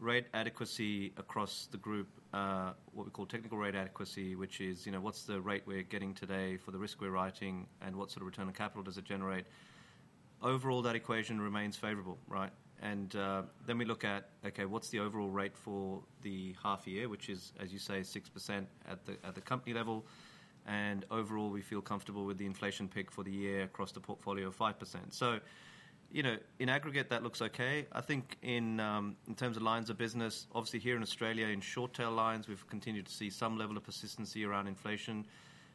C: rate adequacy across the group, what we call technical rate adequacy, which is, you know, what's the rate we're getting today for the risk we're writing, and what sort of return on capital does it generate? Overall, that equation remains favorable, right? And then we look at, okay, what's the overall rate for the half year, which is, as you say, 6% at the company level, and overall, we feel comfortable with the inflation pick for the year across the portfolio of 5%. So, you know, in aggregate, that looks okay. I think in, in terms of lines of business, obviously here in Australia, in short tail lines, we've continued to see some level of persistency around inflation.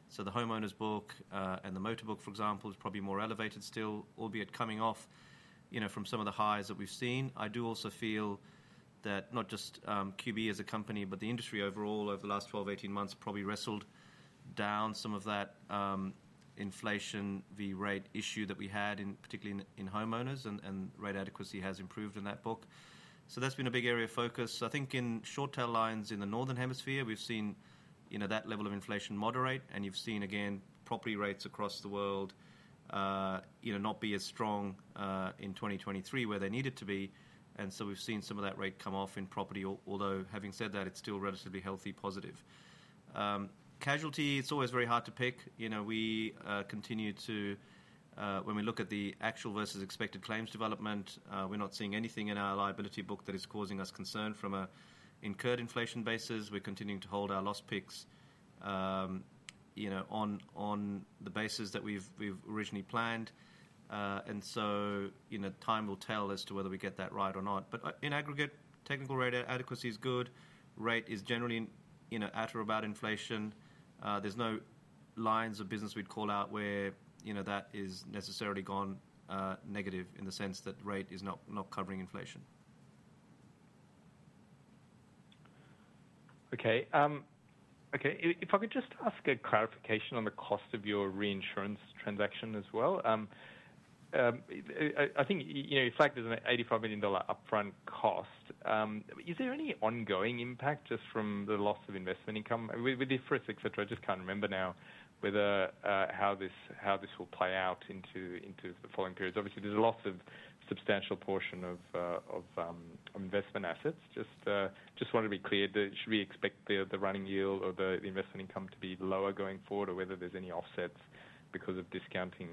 C: So the homeowners book, and the motor book, for example, is probably more elevated still, albeit coming off, you know, from some of the highs that we've seen. I do also feel that not just, QBE as a company, but the industry overall, over the last 12, 18 months, probably wrestled down some of that, inflation v rate issue that we had in, particularly in, in homeowners and, and rate adequacy has improved in that book. So that's been a big area of focus. I think in short tail lines in the Northern Hemisphere, we've seen, you know, that level of inflation moderate, and you've seen, again, property rates across the world, you know, not be as strong in 2023 where they needed to be. And so we've seen some of that rate come off in property, although having said that, it's still relatively healthy, positive. Casualty, it's always very hard to pick. You know, we continue to, when we look at the actual versus expected claims development, we're not seeing anything in our liability book that is causing us concern from an incurred inflation basis. We're continuing to hold our loss picks, you know, on the basis that we've originally planned. And so, you know, time will tell as to whether we get that right or not. But, in aggregate, technical rate adequacy is good. Rate is generally, you know, at or about inflation. There's no lines of business we'd call out where, you know, that is necessarily gone, negative in the sense that rate is not, not covering inflation.
G: Okay. Okay, if I could just ask a clarification on the cost of your reinsurance transaction as well. I think, you know, in fact, there's an $85 million upfront cost. Is there any ongoing impact just from the loss of investment income? With the IFRS, et cetera, I just can't remember now whether how this will play out into the following periods. Obviously, there's a lot of substantial portion of investment assets. Just wanted to be clear, that should we expect the running yield or the investment income to be lower going forward or whether there's any offsets because of discounting,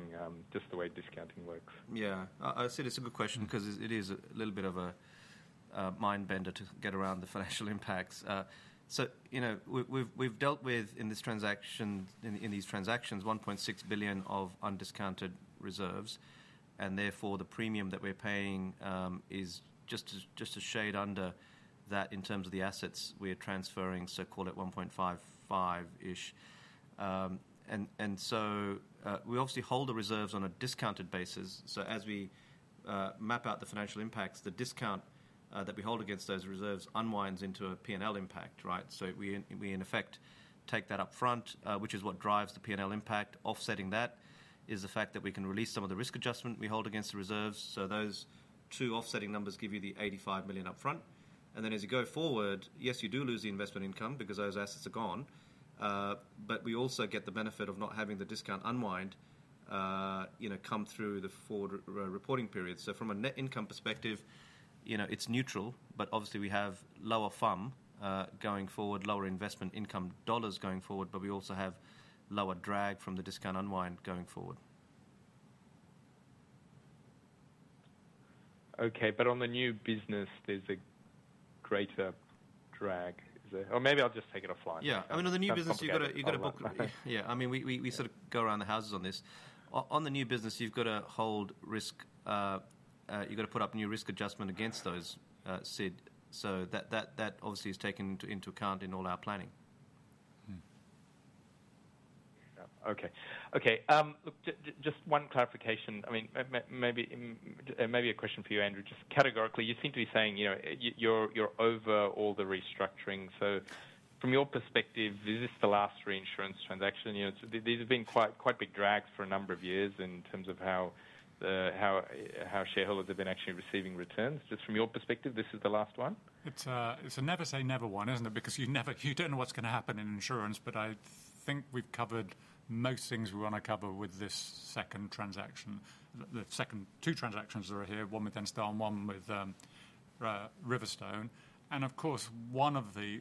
G: just the way discounting works?
C: Yeah. Sid, it's a good question because it is a little bit of a mind bender to get around the financial impacts. So you know, we've dealt with, in this transaction, in these transactions, $1.6 billion of undiscounted reserves, and therefore, the premium that we're paying is just a shade under that in terms of the assets we are transferring, so call it $1.55 billion-ish. And so, we obviously hold the reserves on a discounted basis, so as we map out the financial impacts, the discount that we hold against those reserves unwinds into a P&L impact, right? So we in effect, take that up front, which is what drives the P&L impact. Offsetting that is the fact that we can release some of the risk adjustment we hold against the reserves, so those two offsetting numbers give you the $85 million upfront. And then as you go forward, yes, you do lose the investment income because those assets are gone, but we also get the benefit of not having the discount unwind, you know, come through the forward reporting period. So from a net income perspective, you know, it's neutral, but obviously we have lower FUM going forward, lower investment income dollars going forward, but we also have lower drag from the discount unwind going forward.
G: Okay, but on the new business, there's a greater drag, is there? Or maybe I'll just take it offline.
C: Yeah. I mean, on the new business, you've got to book. Yeah, I mean, we sort of go around the houses on this. On the new business, you've got to hold risk. You've got to put up new risk adjustment against those, Sid. So that obviously is taken into account in all our planning.
G: Just one clarification. I mean, maybe a question for you, Andrew. Just categorically, you seem to be saying, you know, you're over all the restructuring. So from your perspective, is this the last reinsurance transaction? You know, these have been quite big drags for a number of years in terms of how shareholders have been actually receiving returns. Just from your perspective, this is the last one?
B: It's a never say never one, isn't it? Because you never, you don't know what's going to happen in insurance, but I think we've covered most things we want to cover with this second transaction. The second two transactions that are here, one with Enstar and one with RiverStone. And of course, one of the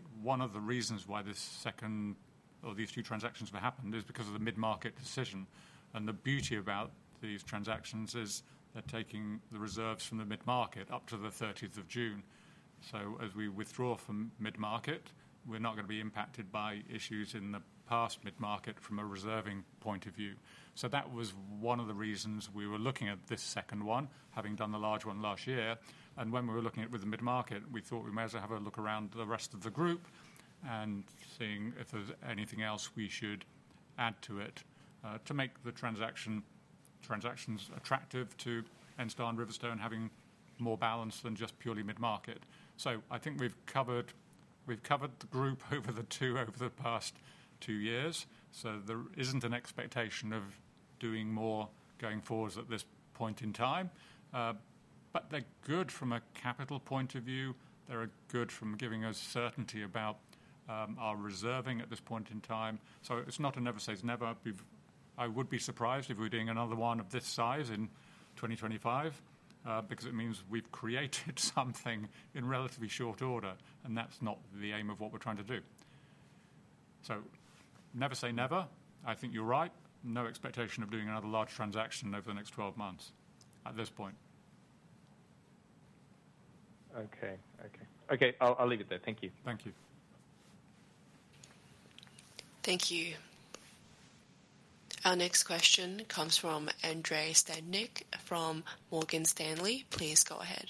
B: reasons why this second or these two transactions have happened is because of Middle Market decision. And the beauty about these transactions is they're taking the reserves from Middle Market up to the thirtieth of June. So as we withdraw Middle Market, we're not going to be impacted by issues in the Middle Market from a reserving point of view. So that was one of the reasons we were looking at this second one, having done the large one last year. And when we were looking at with Middle Market, we thought we may as well have a look around the rest of the group and seeing if there's anything else we should add to it, to make the transaction, transactions attractive to Enstar and RiverStone having more balance than just Middle Market. so I think we've covered, we've covered the group over the two over the past two years, so there isn't an expectation of doing more going forwards at this point in time. But they're good from a capital point of view. They're good from giving us certainty about, our reserving at this point in time. So it's not a never say never. I would be surprised if we're doing another one of this size in 2025, because it means we've created something in relatively short order, and that's not the aim of what we're trying to do. So never say never. I think you're right. No expectation of doing another large transaction over the next 12 months at this point.
G: Okay. Okay. Okay, I'll, I'll leave it there. Thank you.
B: Thank you.
A: Thank you. Our next question comes from Andrei Stadnik from Morgan Stanley. Please go ahead.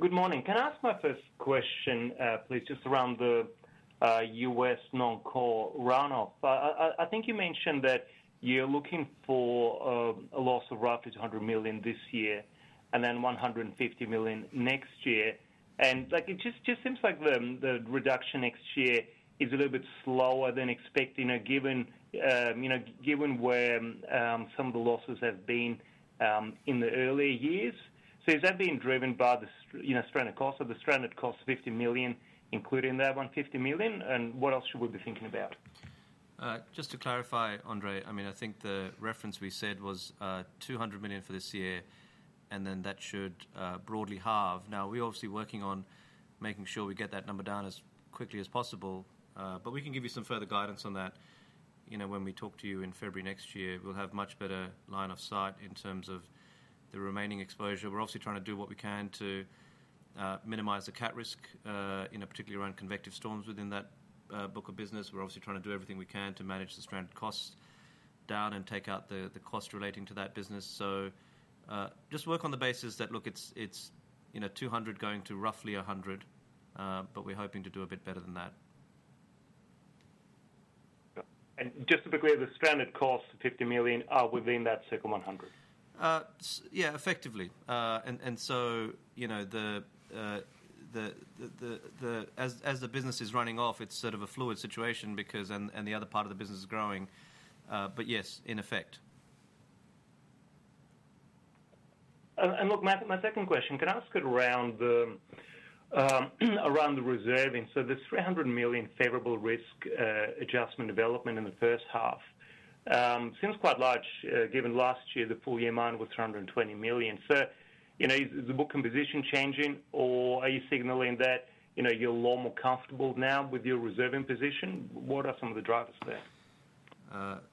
H: Good morning. Can I ask my first question, please, just around the U.S. non-core run-off? I think you mentioned that you're looking for a loss of roughly $200 million this year and then $150 million next year. And, like, it just seems like the reduction next year is a little bit slower than expected, you know, given, you know, given where some of the losses have been in the earlier years. So is that being driven by the stranded costs, you know? Are the stranded costs $50 million, including that $150 million, and what else should we be thinking about?
C: Just to clarify, Andrei, I mean, I think the reference we said was $200 million for this year, and then that should broadly halve. Now, we're obviously working on making sure we get that number down as quickly as possible, but we can give you some further guidance on that. You know, when we talk to you in February next year, we'll have much better line of sight in terms of the remaining exposure. We're obviously trying to do what we can to minimize the cat risk, you know, particularly around convective storms within that book of business. We're obviously trying to do everything we can to manage the stranded costs down and take out the cost relating to that business. Just work on the basis that, look, it's, you know, $200 million going to roughly $100 million, but we're hoping to do a bit better than that.
H: Just to be clear, the stranded costs, $50 million, are within that circa $100 million?
C: Yeah, effectively. And so, you know, as the business is running off, it's sort of a fluid situation because... and the other part of the business is growing, but yes, in effect.
H: Look, my second question, can I ask it around the reserving? So the $300 million favorable risk adjustment development in the first half seems quite large, given last year, the full-year amount was $320 million. So, you know, is the book composition changing, or are you signaling that, you know, you're a lot more comfortable now with your reserving position? What are some of the drivers there?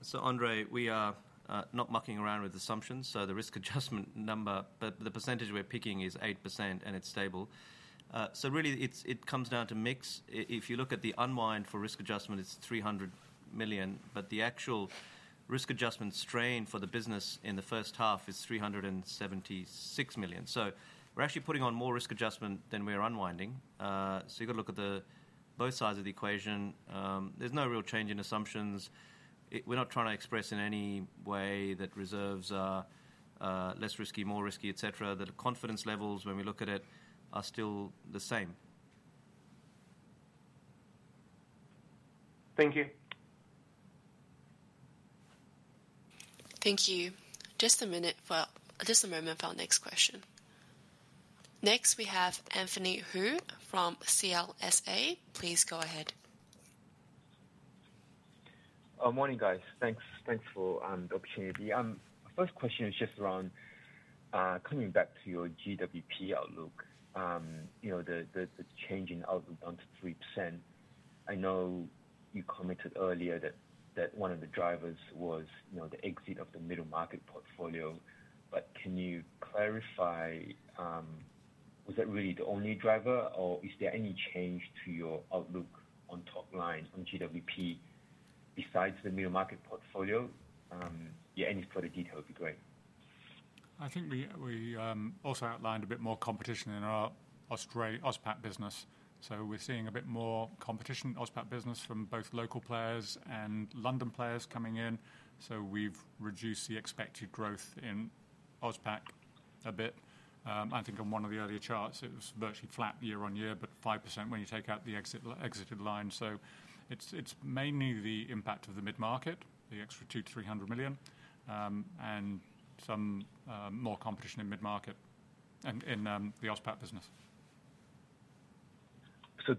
C: So Andrei, we are not mucking around with assumptions, so the risk adjustment number, but the percentage we're picking is 8%, and it's stable. So really, it's, it comes down to mix. If you look at the unwind for risk adjustment, it's $300 million, but the actual risk adjustment strain for the business in the first half is $376 million. So we're actually putting on more risk adjustment than we're unwinding. So you've got to look at the both sides of the equation. There's no real change in assumptions. We're not trying to express in any way that reserves are less risky, more risky, et cetera. That the confidence levels, when we look at it, are still the same.
H: Thank you.
A: Thank you. Just a minute for... Just a moment for our next question. Next, we have Anthony Hoo from CLSA. Please go ahead.
I: Morning, guys. Thanks, thanks for the opportunity. First question is just around coming back to your GWP outlook. You know, the changing outlook down to 3%. I know you commented earlier that one of the drivers was, you know, the exit of the Middle Market portfolio, but can you clarify, was that really the only driver, or is there any change to your outlook on top line on GWP besides the Middle Market portfolio? Yeah, any further detail would be great.
B: I think we also outlined a bit more competition in our AusPac business. So we're seeing a bit more competition in AusPac business from both local players and London players coming in. So we've reduced the expected growth in AusPac a bit. I think on one of the earlier charts, it was virtually flat year-on-year, but 5% when you take out the exit, exited line. So it's, it's mainly the impact of Middle Market, the extra $200 million-$300 million, and some more competition Middle Market and in, the AusPac business.
I: So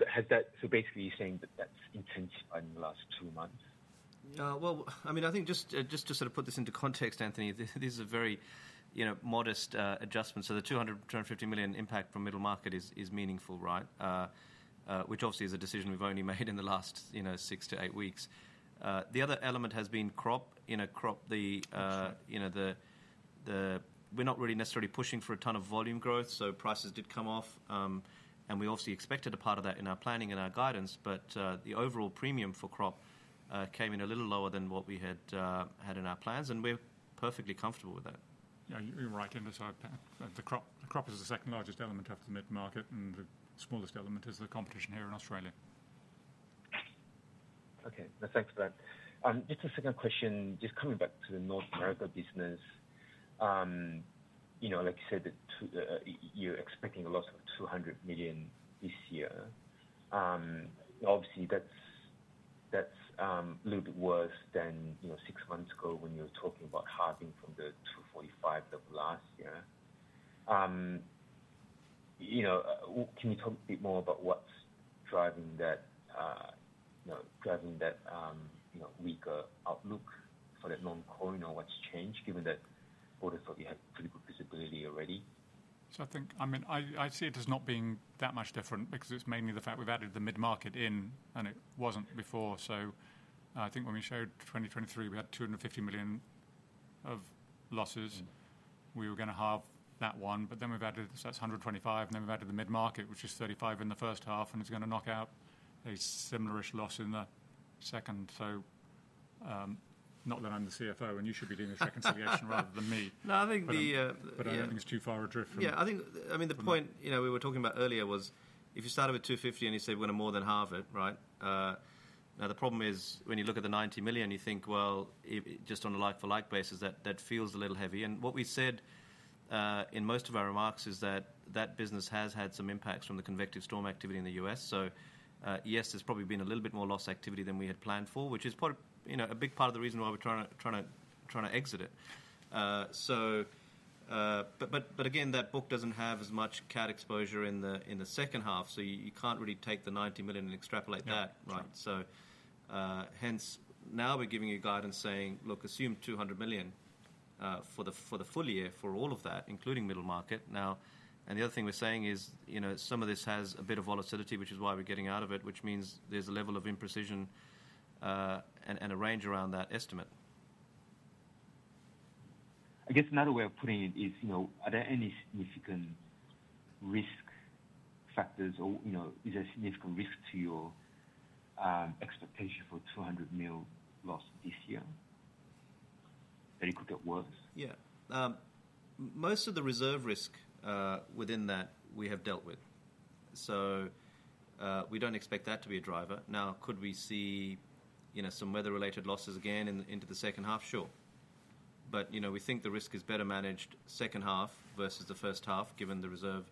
I: basically, you're saying that that's intensified in the last two months?
C: Well, I mean, I think just to sort of put this into context, Anthony, this is a very, you know, modest adjustment. So the $250 million impact from Middle Market is meaningful, right? Which obviously is a decision we've only made in the last, you know, 6-8 weeks. The other element has been Crop. You know, Crop the- You know, we're not really necessarily pushing for a ton of volume growth, so prices did come off. And we obviously expected a part of that in our planning and our guidance, but the overall premium for crop came in a little lower than what we had had in our plans, and we're perfectly comfortable with that.
B: Yeah, you're right, Inder. So the Crop, the Crop is the second largest element after the Middle Market, and the smallest element is the workers' comp here in Australia.
I: Okay, thanks for that. Just a second question, just coming back to the North America business. You know, like you said, that to the, you're expecting a loss of $200 million this year. Obviously, that's a little bit worse than, you know, six months ago, when you were talking about halving from the $245 million of last year. You know, can you talk a bit more about what's driving that, you know, driving that, you know, weaker outlook for that non-core, or what's changed, given that I thought you had pretty good visibility already?
B: So I think... I mean, I see it as not being that much different because it's mainly the fact we've added Middle Market in, and it wasn't before. So I think when we showed 2023, we had $250 million of losses.
I: Mm-hmm.
B: We were going to halve that one, but then we've added... So that's $125 million, and then we've added Middle Market, which is $35 million in the first half, and it's going to knock out a similar-ish loss in the second. So, not that I'm the CFO, and you should be doing the reconciliation rather than me.
C: No, I think the
B: But I don't think it's too far adrift from-
C: Yeah, I think, I mean, the point, you know, we were talking about earlier was if you started with $250 million and you say we're going to more than halve it, right? Now, the problem is when you look at the $90 million, you think, well, it just on a like for like basis, that feels a little heavy. And what we said in most of our remarks is that that business has had some impacts from the convective storm activity in the U.S. So, yes, there's probably been a little bit more loss activity than we had planned for, which is part of, you know, a big part of the reason why we're trying to exit it. So, But again, that book doesn't have as much cat exposure in the second half, so you can't really take the $90 million and extrapolate that.
B: Yeah.
C: Right. So, hence now we're giving you guidance saying, "Look, assume $200 million for the, for the full-year, for all of that, including Middle Market." Now, and the other thing we're saying is, you know, some of this has a bit of volatility, which is why we're getting out of it, which means there's a level of imprecision, and a range around that estimate.
I: I guess another way of putting it is, you know, are there any significant risk factors or, you know, is there a significant risk to your expectation for $200 million loss this year? That it could get worse.
C: Yeah. Most of the reserve risk within that, we have dealt with. So, we don't expect that to be a driver. Now, could we see, you know, some weather-related losses again in into the second half? Sure. But, you know, we think the risk is better managed second half versus the first half, given the reserve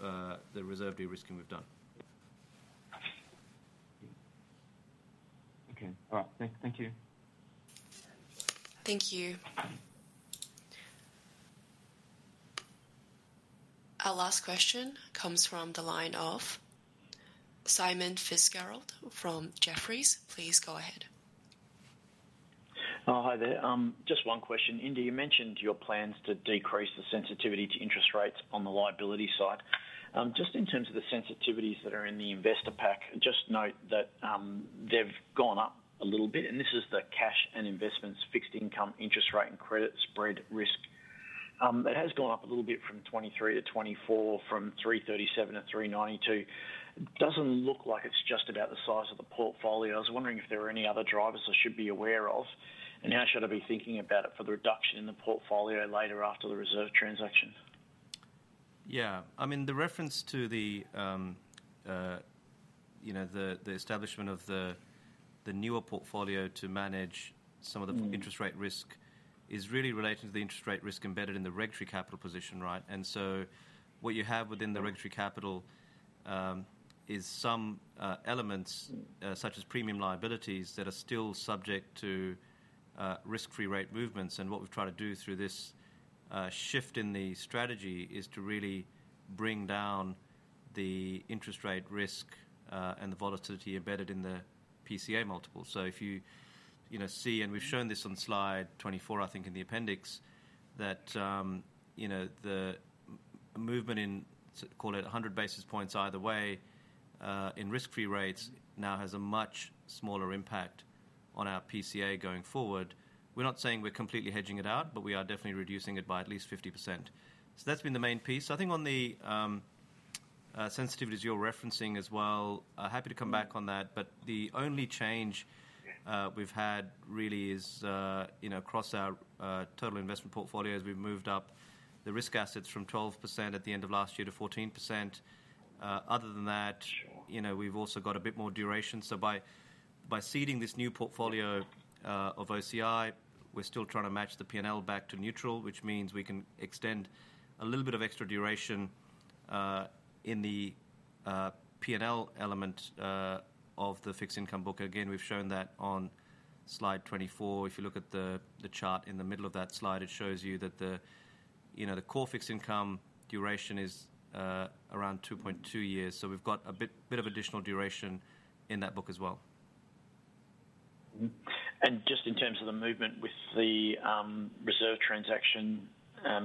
C: de-risking we've done.
I: Okay. All right. Thank you.
A: Thank you. Our last question comes from the line of Simon Fitzgerald from Jefferies. Please go ahead.
J: Oh, hi there. Just one question. Inder, you mentioned your plans to decrease the sensitivity to interest rates on the liability side. Just in terms of the sensitivities that are in the investor pack, just note that, they've gone up a little bit, and this is the cash and investments, fixed income, interest rate, and credit spread risk. It has gone up a little bit from 2023 to 2024, from 337 to 392. It doesn't look like it's just about the size of the portfolio. I was wondering if there were any other drivers I should be aware of, and how should I be thinking about it for the reduction in the portfolio later after the reserve transaction?
C: Yeah. I mean, the reference to the, you know, the establishment of the newer portfolio to manage some of the-
J: Mm.
C: Interest rate risk is really related to the interest rate risk embedded in the regulatory capital position, right? And so what you have within the regulatory capital is some elements such as premium liabilities that are still subject to risk-free rate movements. And what we've tried to do through this shift in the strategy is to really bring down the interest rate risk and the volatility embedded in the PCA multiple. So if you, you know, see, and we've shown this on slide 24, I think, in the appendix, that, you know, the movement in, so call it 100 basis points either way in risk-free rates, now has a much smaller impact on our PCA going forward. We're not saying we're completely hedging it out, but we are definitely reducing it by at least 50%. So that's been the main piece. I think on the sensitivities you're referencing as well, I'm happy to come back on that, but the only change we've had really is, you know, across our total investment portfolio as we've moved up the risk assets from 12% at the end of last year to 14%. Other than that, you know, we've also got a bit more duration. So by seeding this new portfolio of OCI, we're still trying to match the P&L back to neutral, which means we can extend a little bit of extra duration in the P&L element of the fixed income book. Again, we've shown that on slide 24. If you look at the chart in the middle of that slide, it shows you that, you know, the core fixed income duration is around 2.2 years. So we've got a bit of additional duration in that book as well.
J: Just in terms of the movement with the reserve transaction, how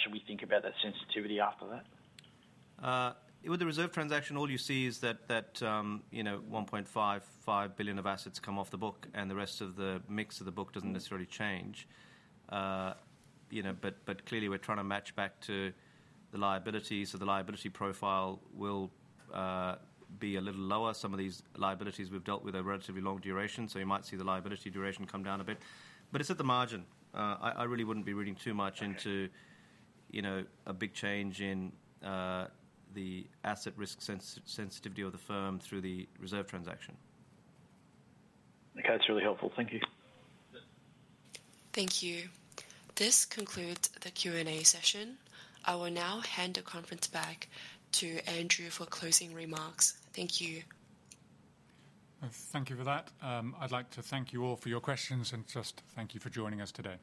J: should we think about that sensitivity after that?
C: With the reserve transaction, all you see is that, that, you know, $1.55 billion of assets come off the book, and the rest of the mix of the book doesn't necessarily change. You know, but clearly we're trying to match back to the liability, so the liability profile will be a little lower. Some of these liabilities we've dealt with are relatively long duration, so you might see the liability duration come down a bit, but it's at the margin. I really wouldn't be reading too much into- you know, a big change in the asset risk sensitivity of the firm through the reserve transaction.
J: Okay, it's really helpful. Thank you.
A: Thank you. This concludes the Q&A session. I will now hand the conference back to Andrew for closing remarks. Thank you.
B: Thank you for that. I'd like to thank you all for your questions, and just thank you for joining us today.